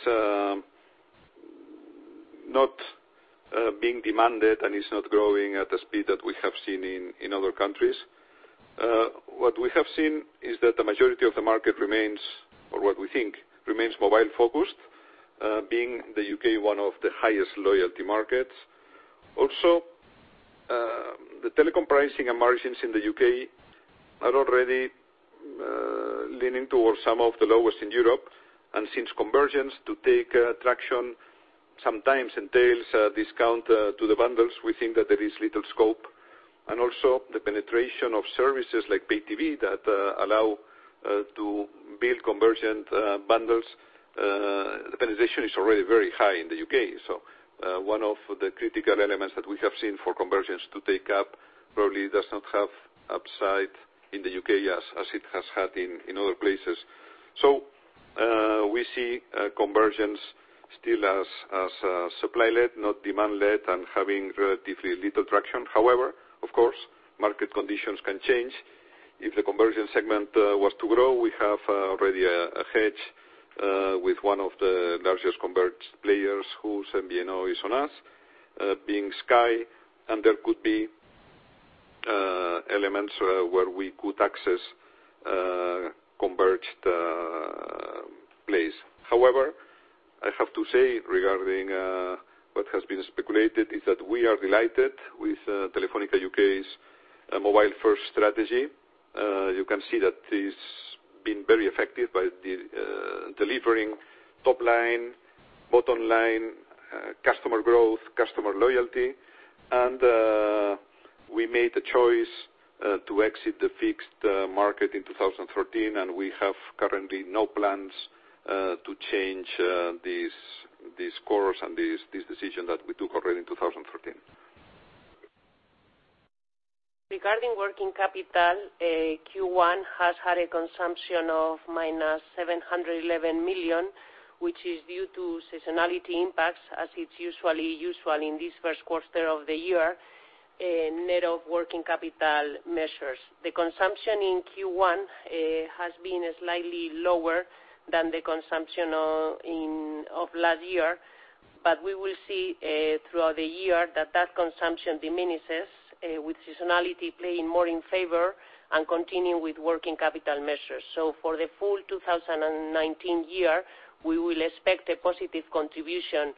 not being demanded, and it's not growing at the speed that we have seen in other countries. What we have seen is that the majority of the market remains, or what we think remains mobile-focused, being the U.K., one of the highest loyalty markets. Also, the telecom pricing and margins in the U.K. are already leaning towards some of the lowest in Europe. Since convergence to take traction sometimes entails a discount to the bundles, we think that there is little scope. The penetration of services like pay TV that allow to build convergent bundles. The penetration is already very high in the U.K. One of the critical elements that we have seen for convergence to take up probably does not have upside in the U.K. as it has had in other places. We see convergence still as supply-led, not demand-led, and having relatively little traction. However, of course, market conditions can change. If the conversion segment was to grow, we have already a hedge with one of the largest converged players, whose MVNO is on us, being Sky. There could be elements where we could access converged place. However, I have to say, regarding what has been speculated, is that we are delighted with Telefónica UK's mobile-first strategy. You can see that it's been very effective by delivering top line, bottom line, customer growth, customer loyalty. We made the choice to exit the fixed market in 2013. We have currently no plans to change this course and this decision that we took already in 2013. Regarding working capital, Q1 has had a consumption of minus 711 million, which is due to seasonality impacts as it's usual in this first quarter of the year net of working capital measures. The consumption in Q1 has been slightly lower than the consumption of last year, but we will see throughout the year that that consumption diminishes with seasonality playing more in favor and continue with working capital measures. For the full 2019 year, we will expect a positive contribution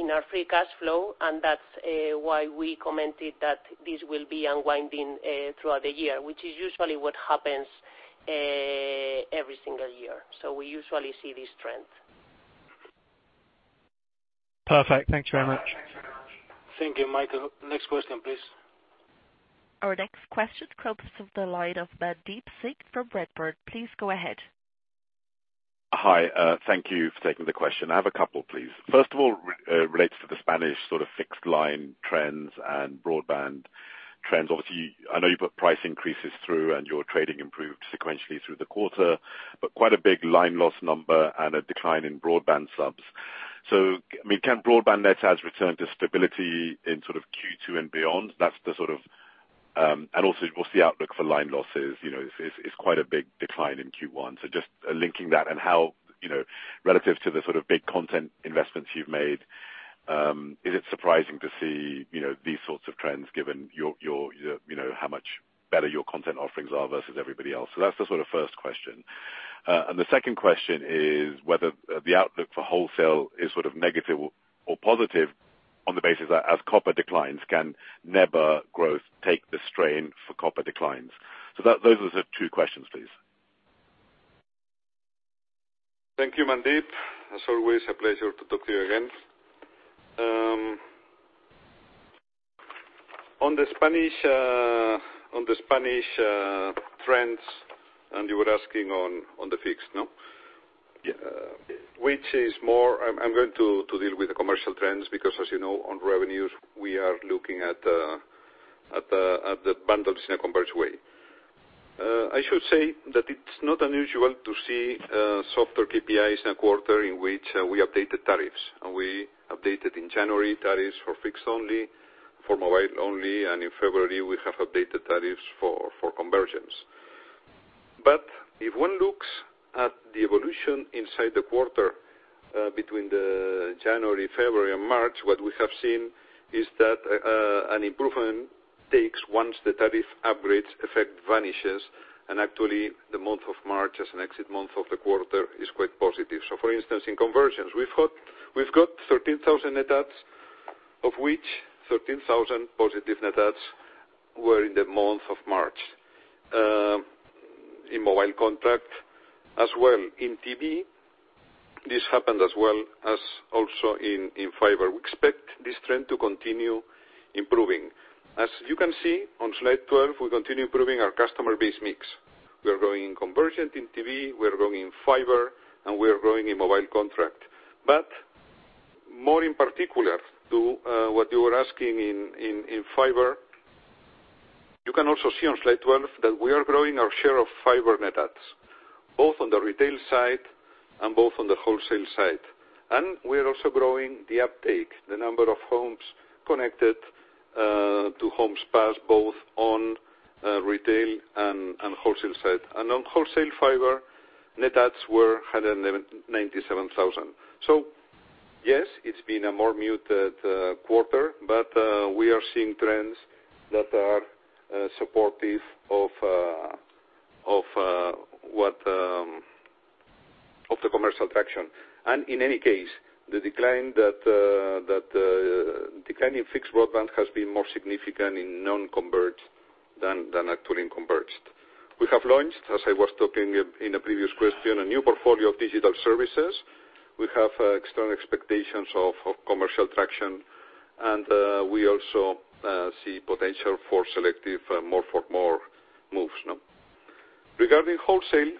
in our free cash flow, and that's why we commented that this will be unwinding throughout the year, which is usually what happens every single year. We usually see this trend. Perfect. Thanks very much. Thank you, Michael. Next question, please. Our next question comes from the line of Mandeep Singh from Redburn. Please go ahead. Hi. Thank you for taking the question. I have a couple, please. First of all, relates to the Spanish fixed line trends and broadband trends. Obviously, I know you put price increases through and your trading improved sequentially through the quarter, but quite a big line loss number and a decline in broadband subs. Can broadband net adds return to stability in Q2 and beyond? That's the sort of. Also, what's the outlook for line losses? It's quite a big decline in Q1. Just linking that and how, relative to the sort of big content investments you've made, is it surprising to see these sorts of trends given how much better your content offerings are versus everybody else? That's the sort of first question. The second question is whether the outlook for wholesale is sort of negative or positive on the basis that as copper declines, can NEBA growth take the strain for copper declines? Those are the two questions, please. Thank you, Mandeep Singh. As always, a pleasure to talk to you again. On the Spanish trends, you were asking on the fixed, no? Yeah. I'm going to deal with the commercial trends, because as you know, on revenues, we are looking at the bundles in a converged way. I should say that it's not unusual to see softer KPIs in a quarter in which we updated tariffs, and we updated in January tariffs for fixed only, for mobile only, and in February, we have updated tariffs for convergence. If one looks at the evolution inside the quarter, between the January, February, and March, what we have seen is that an improvement takes once the tariff upgrades effect vanishes. Actually, the month of March as an exit month of the quarter is quite positive. For instance, in conversions, we've got 13,000 net adds, of which 13,000 positive net adds were in the month of March. In mobile contract as well. In TV, this happened as well as also in fiber. We expect this trend to continue improving. As you can see on slide 12, we continue improving our customer base mix. We're growing in convergent, in TV, we're growing in fiber, and we are growing in mobile contract. More in particular to what you were asking in fiber, you can also see on slide 12 that we are growing our share of fiber net adds, both on the retail side and both on the wholesale side. We are also growing the uptake, the number of homes connected to homes passed, both on retail and wholesale side. On wholesale fiber, net adds were 197,000. Yes, it's been a more muted quarter, but we are seeing trends that are supportive of the commercial traction. In any case, the decline in fixed broadband has been more significant in non-converged than actually in converged. We have launched, as I was talking in a previous question, a new portfolio of digital services. We have strong expectations of commercial traction, and we also see potential for selective more for more moves. Regarding wholesale,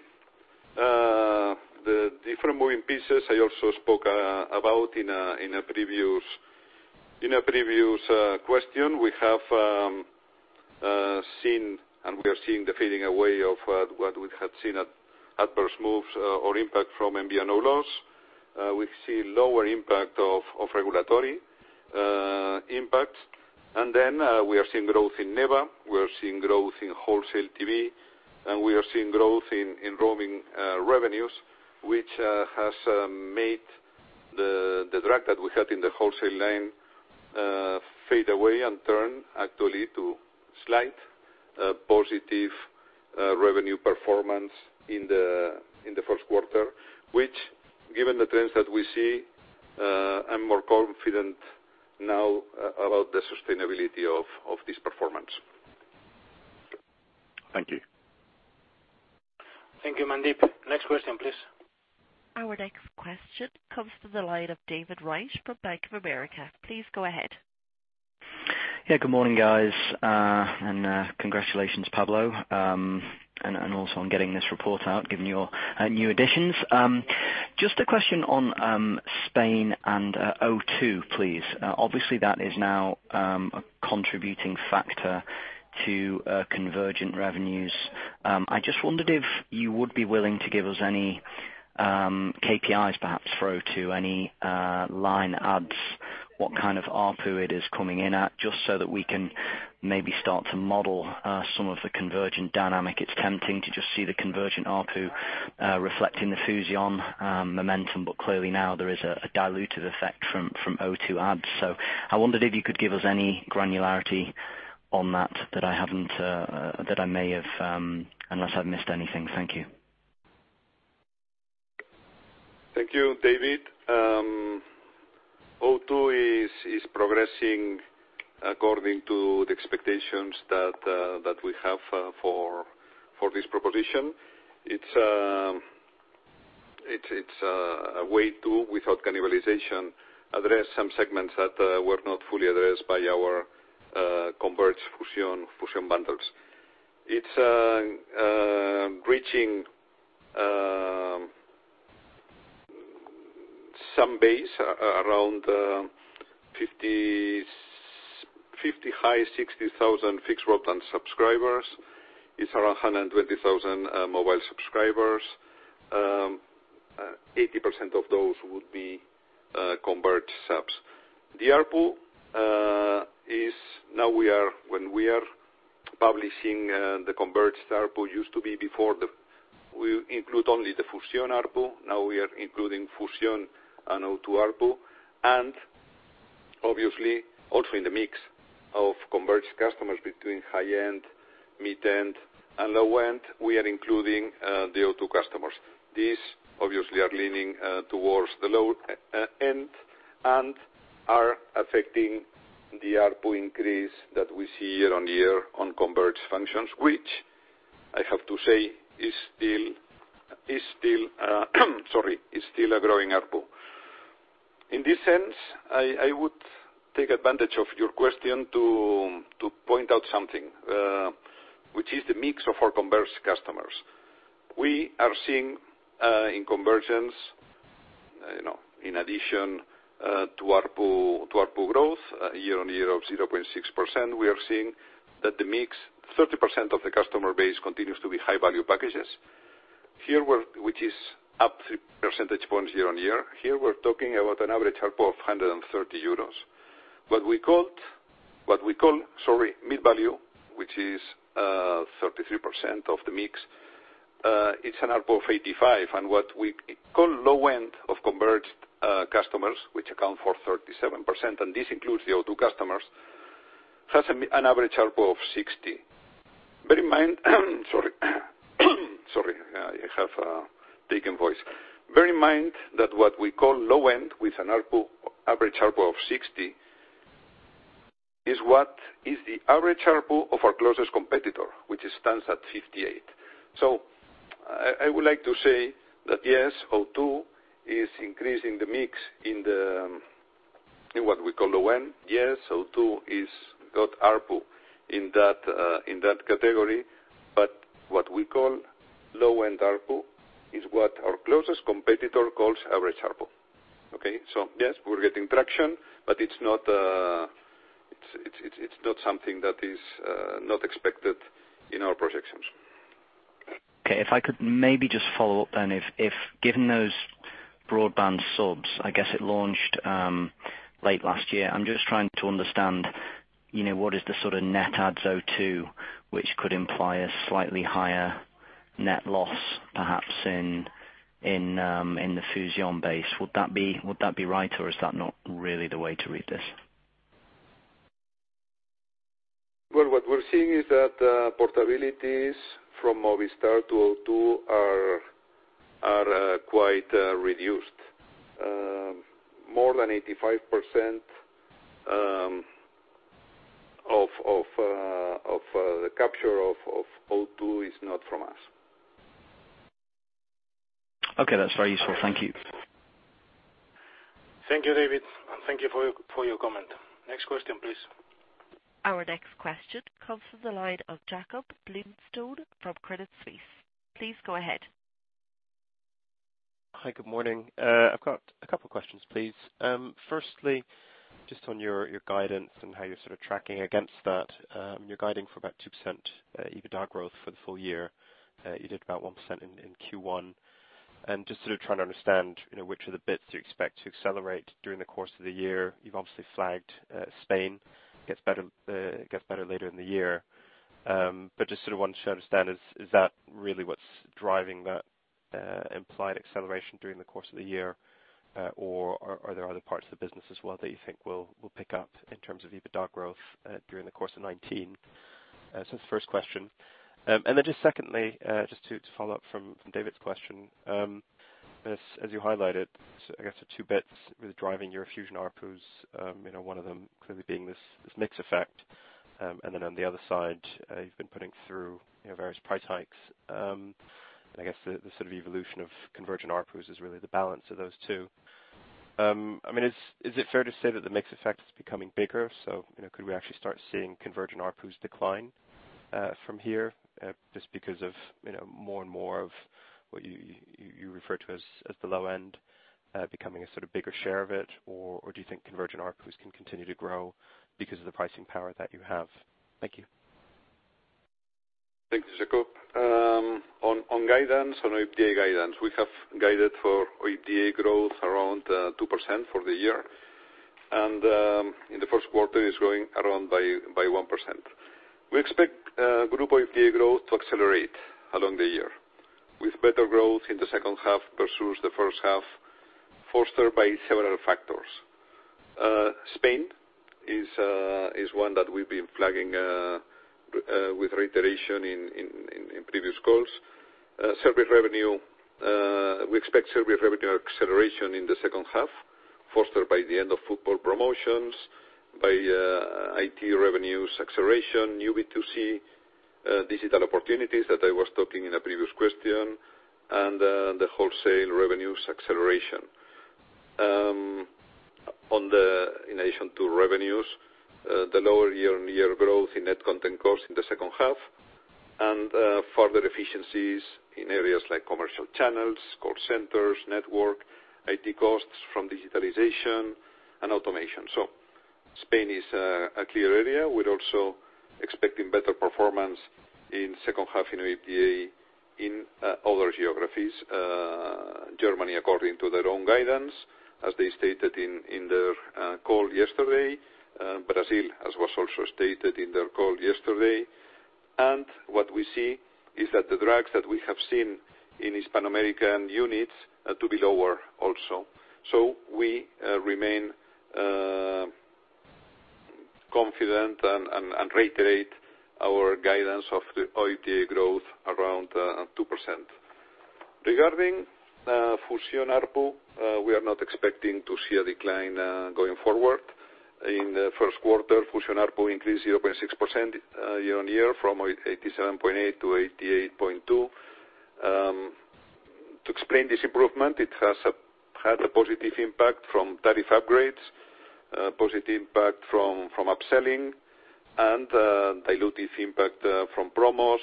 the different moving pieces I also spoke about in a previous question. We have seen, and we are seeing the fading away of what we had seen adverse moves or impact from MVNO loss. We see lower impact of regulatory impacts. Then, we are seeing growth in NEBA, we are seeing growth in wholesale TV, and we are seeing growth in roaming revenues, which has made the drag that we had in the wholesale line fade away and turn actually to slight positive revenue performance in the first quarter, which, given the trends that we see, I'm more confident now about the sustainability of this performance. Thank you. Thank you, Mandeep. Next question, please. Our next question comes from the line of David Wright from Bank of America. Please go ahead. Good morning, guys. Congratulations, Pablo, also on getting this report out, given your new additions. Just a question on Spain and O2, please. Obviously, that is now a contributing factor to convergent revenues. I just wondered if you would be willing to give us any KPIs, perhaps, for O2, any line adds, what kind of ARPU it is coming in at, just so that we can maybe start to model some of the convergent dynamic. It's tempting to just see the convergent ARPU reflecting the Fusión momentum, clearly now there is a dilutive effect from O2 adds. I wondered if you could give us any granularity on that I may have unless I've missed anything. Thank you. Thank you, David. O2 is progressing according to the expectations that we have for this proposition. It's a way to, without cannibalization, address some segments that were not fully addressed by our converged Fusión bundles. It's reaching some base around 50 high, 60,000 fixed broadband subscribers. It's around 120,000 mobile subscribers. 80% of those would be converged subs. The ARPU, when we are publishing the converged ARPU, used to be before we include only the Fusión ARPU. Now we are including Fusión and O2 ARPU, and obviously also in the mix of converged customers between high-end, mid-end, and low-end, we are including the O2 customers. These obviously are leaning towards the low-end and are affecting the ARPU increase that we see year-on-year on converged functions, which I have to say is still a growing ARPU. In this sense, I would take advantage of your question to point out something, which is the mix of our converged customers. We are seeing in convergence, in addition to ARPU growth year-on-year of 0.6%, we are seeing that the mix, 30% of the customer base continues to be high-value packages. Here, which is up 3 percentage points year-on-year. Here we're talking about an average ARPU of 130 euros. What we call mid-value, which is 33% of the mix, it's an ARPU of 85. What we call low-end of converged customers, which account for 37%, and this includes the O2 customers, has an average ARPU of 60. Bear in mind Sorry, I have a thickened voice. Bear in mind that what we call low-end, with an average ARPU of 60, is the average ARPU of our closest competitor, which stands at 58. I would like to say that, yes, O2 is increasing the mix in what we call low-end. Yes, O2 has got ARPU in that category. What we call low-end ARPU is what our closest competitor calls average ARPU. Okay? Yes, we're getting traction, but it's not something that is not expected in our projections. Okay. I could maybe just follow up then, if given those broadband subs, I guess it launched late last year. I'm just trying to understand, what is the sort of net adds O2, which could imply a slightly higher net loss, perhaps in the Fusión base? Would that be right, or is that not really the way to read this? Well, what we're seeing is that portabilities from Movistar to O2 are quite reduced. More than 85% of the capture of O2 is not from us. Okay. That's very useful. Thank you. Thank you, David, and thank you for your comment. Next question, please. Our next question comes from the line of Jakob Bluestone from Credit Suisse. Please go ahead. Hi. Good morning. I've got a couple questions, please. Firstly, just on your guidance and how you're sort of tracking against that. You're guiding for about 2% EBITDA growth for the full year. You did about 1% in Q1. Just sort of trying to understand, which are the bits you expect to accelerate during the course of the year. You've obviously flagged Spain gets better later in the year. Just sort of wanted to understand, is that really what's driving that implied acceleration during the course of the year? Are there other parts of the business as well that you think will pick up in terms of EBITDA growth during the course of 2019? That's the first question. Just secondly, just to follow up from David's question. As you highlighted, I guess the two bits really driving your Fusión ARPUs, one of them clearly being this mix effect. Then on the other side, you've been putting through various price hikes. I guess the sort of evolution of convergent ARPUs is really the balance of those two. Is it fair to say that the mix effect is becoming bigger? Could we actually start seeing convergent ARPUs decline from here, just because of more and more of what you refer to as the low end becoming a sort of bigger share of it? Do you think convergent ARPUs can continue to grow because of the pricing power that you have? Thank you. Thank you, Jakob. On OIBDA guidance, we have guided for OIBDA growth around 2% for the year, in the first quarter, it's growing around by 1%. We expect group OIBDA growth to accelerate along the year, with better growth in the second half versus the first half, fostered by several factors. Spain is one that we've been flagging with reiteration in previous calls. We expect service revenue acceleration in the second half, fostered by the end of football promotions, by IT revenues acceleration, new B2C digital opportunities that I was talking in a previous question, and the wholesale revenues acceleration. In addition to revenues, the lower year-on-year growth in net content costs in the second half and further efficiencies in areas like commercial channels, call centers, network, IT costs from digitalization and automation. Spain is a clear area. We're also expecting better performance in second half in OIBDA in other geographies. Germany, according to their own guidance, as they stated in their call yesterday. Brazil, as was also stated in their call yesterday. What we see is that the drags that we have seen in Hispanoamérica units to be lower also. We remain confident and reiterate our guidance of the OIBDA growth around 2%. Regarding Fusión ARPU, we are not expecting to see a decline going forward. In the first quarter, Fusión ARPU increased 0.6% year-on-year from 87.8 to 88.2. To explain this improvement, it has had a positive impact from tariff upgrades, a positive impact from upselling and a dilutive impact from promos,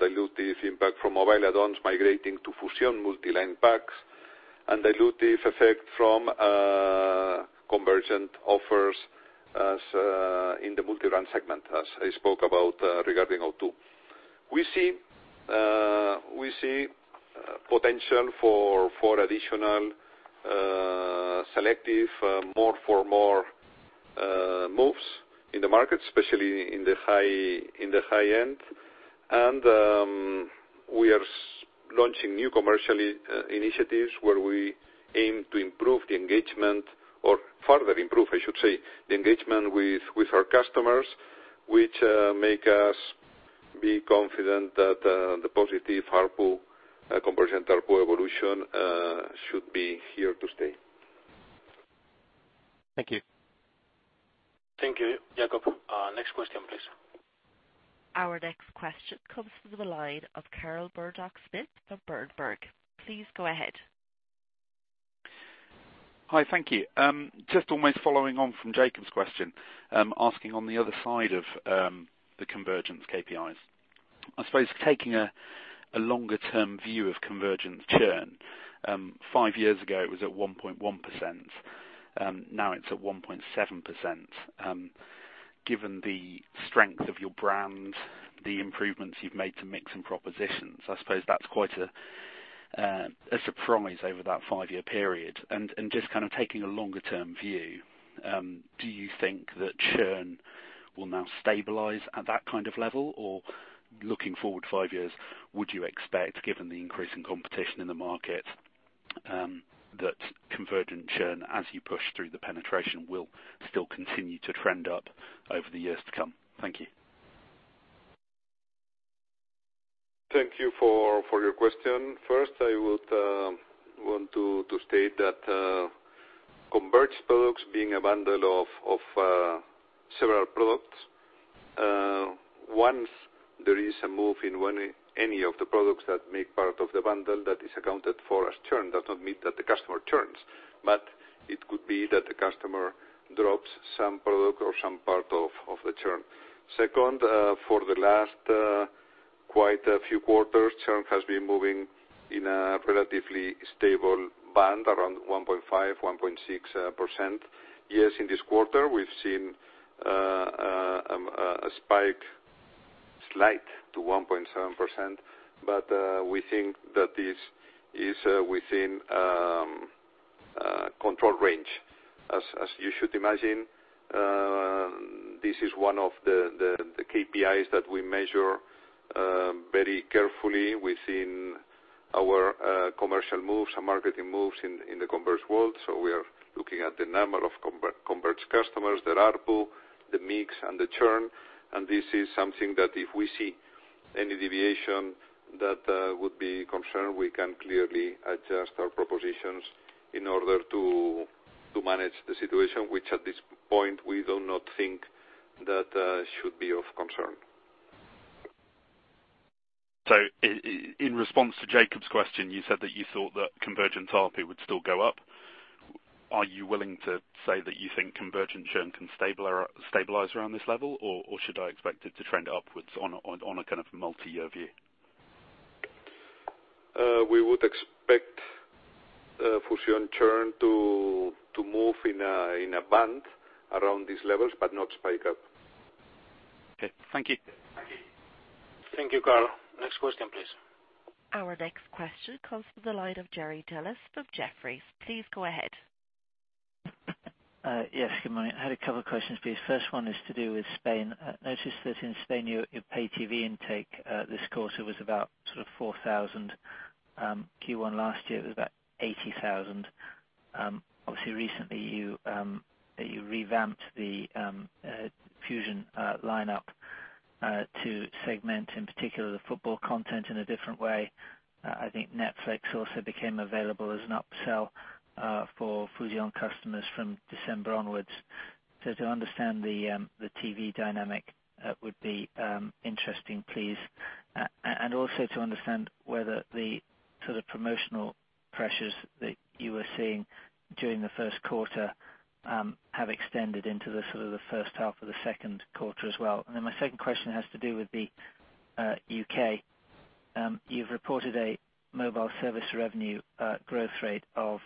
dilutive impact from mobile add-ons migrating to Fusión multi-line packs, and dilutive effect from convergent offers as in the multi-brand segment, as I spoke about regarding O2. We see potential for additional selective more for more moves in the market, especially in the high end. We are launching new commercial initiatives where we aim to improve the engagement, or further improve, I should say, the engagement with our customers, which make us be confident that the positive convergent ARPU evolution should be here to stay. Thank you. Thank you, Jakob. Next question, please. Our next question comes from the line of Keval Khiroya from Berenberg. Please go ahead. Hi, thank you. Just almost following on from Jakob's question, asking on the other side of the convergence KPIs. I suppose taking a longer term view of convergence churn. Five years ago, it was at 1.1%, now it's at 1.7%. Given the strength of your brand, the improvements you've made to mix and propositions, I suppose that's quite a surprise over that five-year period. Just taking a longer term view, do you think that churn will now stabilize at that kind of level? Or looking forward five years, would you expect, given the increase in competition in the market, that convergent churn, as you push through the penetration, will still continue to trend up over the years to come? Thank you. Thank you for your question. First, I would want to state that converged products, being a bundle of several products. Once there is a move in any of the products that make part of the bundle, that is accounted for as churn. That doesn't mean that the customer churns, but it could be that the customer drops some product or some part of the churn. Second, for the last quite a few quarters, churn has been moving in a relatively stable band around 1.5%, 1.6%. Yes, in this quarter, we've seen a spike, slight to 1.7%, but we think that this is within control range. As you should imagine, this is one of the KPIs that we measure very carefully within our commercial moves and marketing moves in the converged world. We are looking at the number of converged customers, the ARPU, the mix, and the churn. This is something that if we see any deviation that would be a concern, we can clearly adjust our propositions in order to manage the situation, which at this point, we do not think that should be of concern. In response to Jakob's question, you said that you thought that convergent ARPU would still go up. Are you willing to say that you think convergent churn can stabilize around this level, or should I expect it to trend upwards on a multi-year view? We would expect Fusión churn to move in a band around these levels, but not spike up. Okay. Thank you. Thank you, Keval. Next question, please. Our next question comes from the line of Jerry Dellis of Jefferies. Please go ahead. Yes, good morning. I had a couple questions, please. First one is to do with Spain. I noticed that in Spain, your pay TV intake this quarter was about 4,000. Q1 last year, it was about 80,000. Obviously, recently, you revamped the Fusión lineup to segment, in particular, the football content in a different way. I think Netflix also became available as an upsell for Fusión customers from December onwards. To understand the TV dynamic would be interesting, please. Also to understand whether the promotional pressures that you were seeing during the first quarter have extended into the first half of the second quarter as well. My second question has to do with the U.K. You've reported a mobile service revenue growth rate of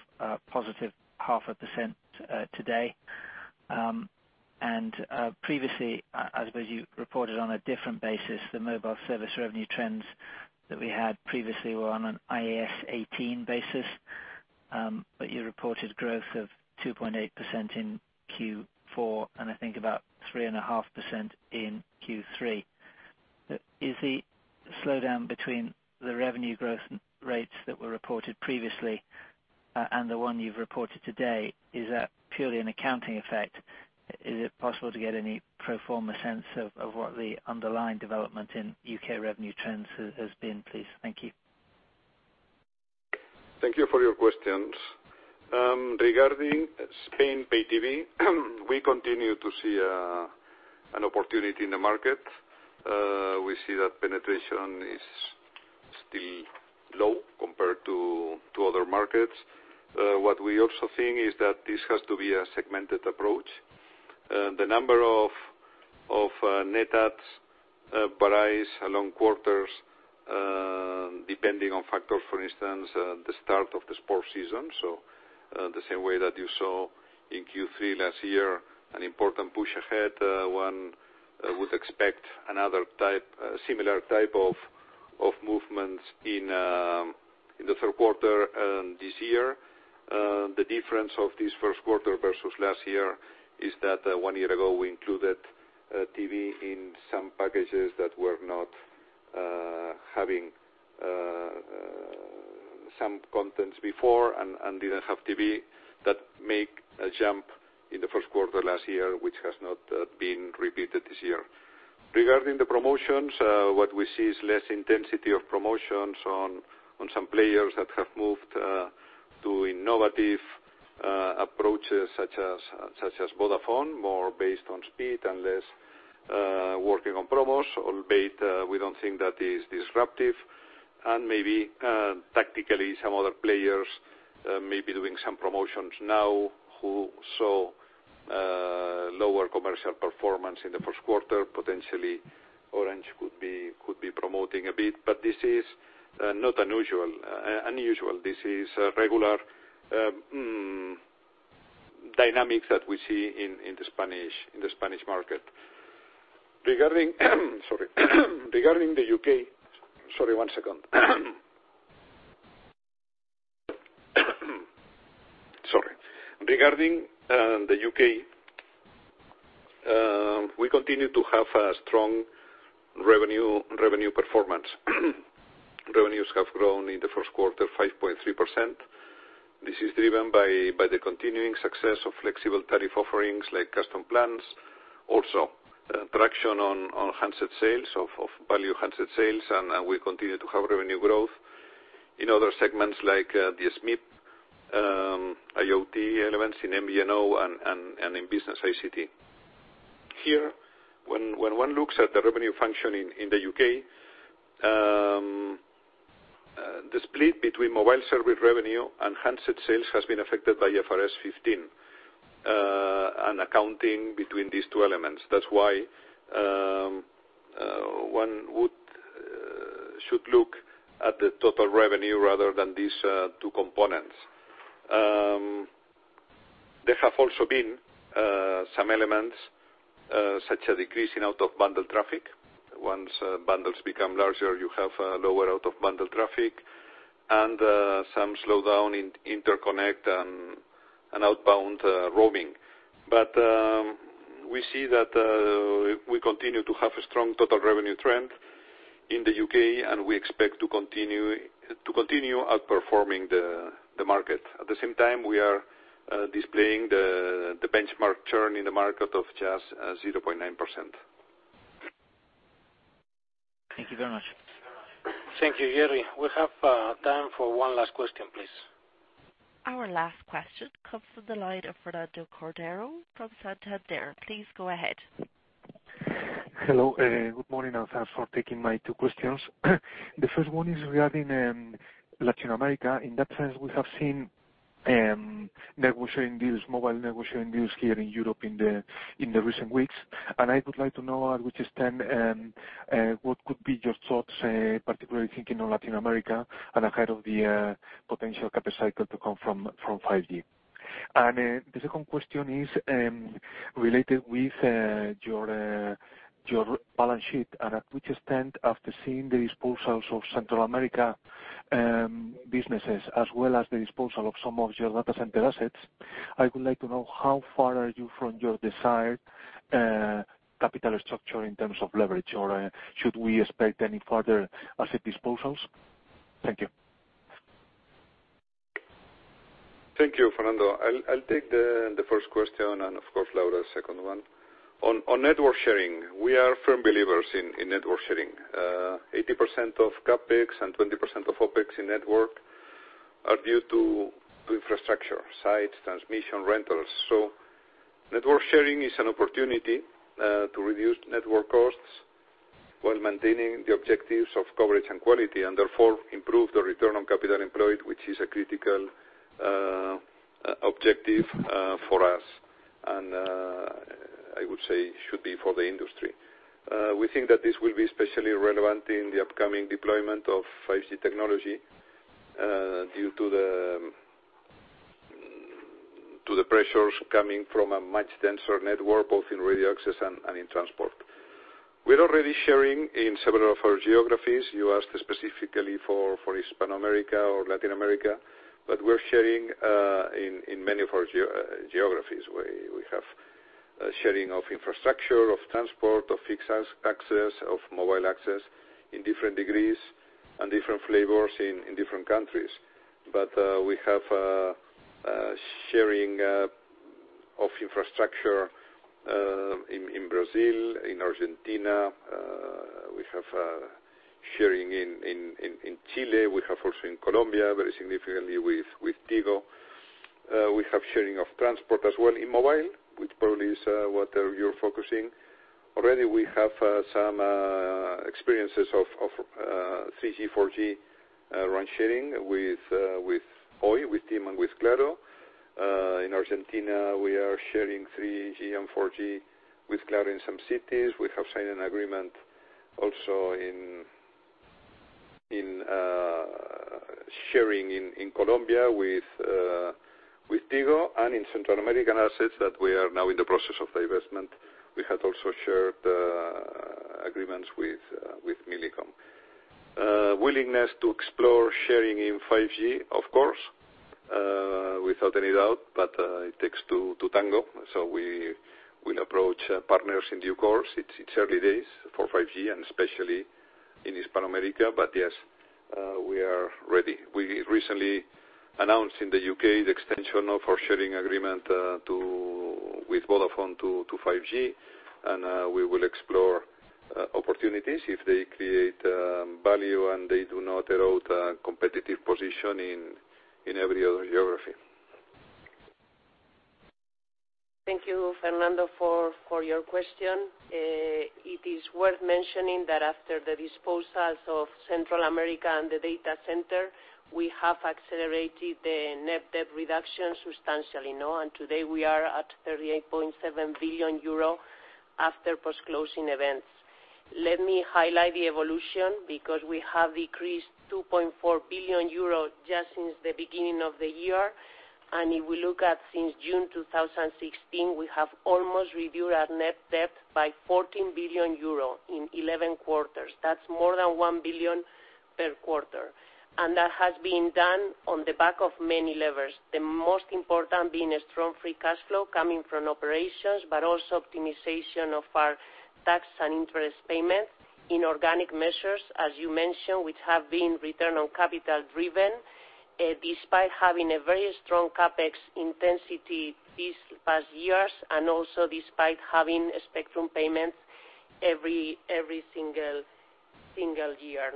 positive 0.5% today. Previously, I suppose you reported on a different basis, the mobile service revenue trends that we had previously were on an IAS 18 basis, you reported growth of 2.8% in Q4, and I think about 3.5% in Q3. Is the slowdown between the revenue growth rates that were reported previously and the one you've reported today, is that purely an accounting effect? Is it possible to get any pro forma sense of what the underlying development in U.K. revenue trends has been, please? Thank you. Thank you for your questions. Regarding Spain Pay TV, we continue to see an opportunity in the market. We see that penetration is still low compared to other markets. What we also think is that this has to be a segmented approach. The number of net adds varies along quarters, depending on factors, for instance, the start of the sports season. The same way that you saw in Q3 last year, an important push ahead. One would expect another similar type of movements in the third quarter this year. The difference of this first quarter versus last year is that one year ago, we included TV in some packages that were not having some contents before and didn't have TV, that make a jump in the first quarter last year, which has not been repeated this year. Regarding the promotions, what we see is less intensity of promotions on some players that have moved to innovative approaches such as Vodafone, more based on speed and less working on promos, albeit we don't think that is disruptive. Maybe tactically some other players may be doing some promotions now who saw lower commercial performance in the first quarter. Potentially Orange could be promoting a bit, but this is not unusual. This is a regular dynamics that we see in the Spanish market. Regarding the U.K., we continue to have a strong revenue performance. Revenues have grown in the first quarter 5.3%. This is driven by the continuing success of flexible tariff offerings like custom plans. Traction on handset sales, of value handset sales, and we continue to have revenue growth in other segments like the SME, IoT elements in MVNO and in business ICT. Here, when one looks at the revenue function in the U.K., the split between mobile service revenue and handset sales has been affected by IFRS 15, and accounting between these two elements. That's why one should look at the total revenue rather than these two components. There have also been some elements, such a decrease in out-of-bundle traffic. Once bundles become larger, you have lower out-of-bundle traffic, and some slowdown in interconnect and outbound roaming. We see that we continue to have a strong total revenue trend in the U.K., and we expect to continue outperforming the market. At the same time, we are displaying the benchmark churn in the market of just 0.9%. Thank you very much. Thank you, Jerry. We have time for one last question, please. Our last question comes from the line of Fernando Cordero from Santander. Please go ahead. Hello. Good morning, thanks for taking my two questions. The first one is regarding Latin America. In that sense, we have seen network sharing deals, mobile network sharing deals here in Europe in the recent weeks. I would like to know at which extent, what could be your thoughts, particularly thinking on Latin America and ahead of the potential CapEx cycle to come from 5G. The second question is related with your balance sheet, and at which extent, after seeing the disposals of Central America businesses as well as the disposal of some of your data center assets, I would like to know how far are you from your desired capital structure in terms of leverage, or should we expect any further asset disposals? Thank you. Thank you, Fernando. I'll take the first question, Laura, the second one. On network sharing, we are firm believers in network sharing. 80% of CapEx and 20% of OpEx in network are due to infrastructure, sites, transmission, rentals. Network sharing is an opportunity to reduce network costs while maintaining the objectives of coverage and quality, and therefore improve the return on capital employed, which is a critical objective for us. I would say should be for the industry. We think that this will be especially relevant in the upcoming deployment of 5G technology due to the pressures coming from a much denser network, both in radio access and in transport. We're already sharing in several of our geographies. You asked specifically for Hispanoamérica or Latin America, but we're sharing in many of our geographies. We have sharing of infrastructure, of transport, of fixed access, of mobile access in different degrees and different flavors in different countries. We have sharing of infrastructure in Brazil, in Argentina. We have sharing in Chile. We have also in Colombia, very significantly with Tigo. We have sharing of transport as well in mobile, which probably is what you're focusing. Already, we have some experiences of 3G, 4G RAN sharing with Oi, with TIM, and with Claro. In Argentina, we are sharing 3G and 4G with Claro in some cities. We have signed an agreement also in sharing in Colombia with Tigo and in Central American assets that we are now in the process of divestment. We had also shared agreements with Millicom. Willingness to explore sharing in 5G, of course, without any doubt, it takes two to tango, we will approach partners in due course. It's early days for 5G, especially in Hispanoamérica. Yes, we are ready. We recently announced in the U.K. the extension of our sharing agreement with Vodafone to 5G, we will explore opportunities if they create value and they do not erode a competitive position in every other geography. Thank you, Fernando, for your question. It is worth mentioning that after the disposals of Central America and the data center, we have accelerated the net debt reduction substantially. Today we are at 38.7 billion euro after post-closing events. Let me highlight the evolution, because we have decreased 2.4 billion euros just since the beginning of the year. If we look at since June 2016, we have almost reduced our net debt by 14 billion euro in 11 quarters. That's more than 1 billion per quarter. That has been done on the back of many levers, the most important being a strong free cash flow coming from operations, but also optimization of our tax and interest payments, inorganic measures, as you mentioned, which have been return on capital driven, despite having a very strong CapEx intensity these past years and also despite having spectrum payments every single year.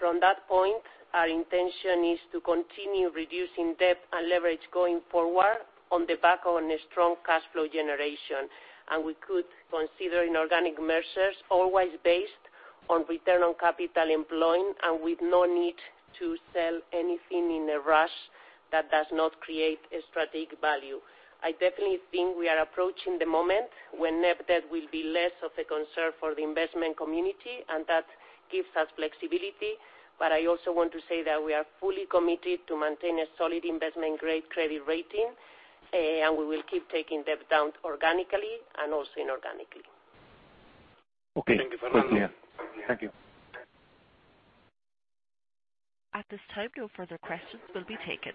From that point, our intention is to continue reducing debt and leverage going forward on the back of a strong cash flow generation. We could consider inorganic measures always based on return on capital employed and with no need to sell anything in a rush that does not create a strategic value. I definitely think we are approaching the moment when net debt will be less of a concern for the investment community, that gives us flexibility. I also want to say that we are fully committed to maintain a solid investment-grade credit rating, we will keep taking debt down organically and also inorganically. Okay. Thank you, Fernando. Thank you. At this time, no further questions will be taken.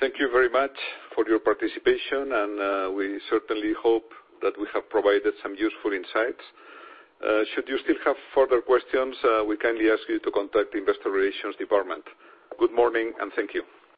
Thank you very much for your participation. We certainly hope that we have provided some useful insights. Should you still have further questions, we kindly ask you to contact the investor relations department. Good morning, and thank you.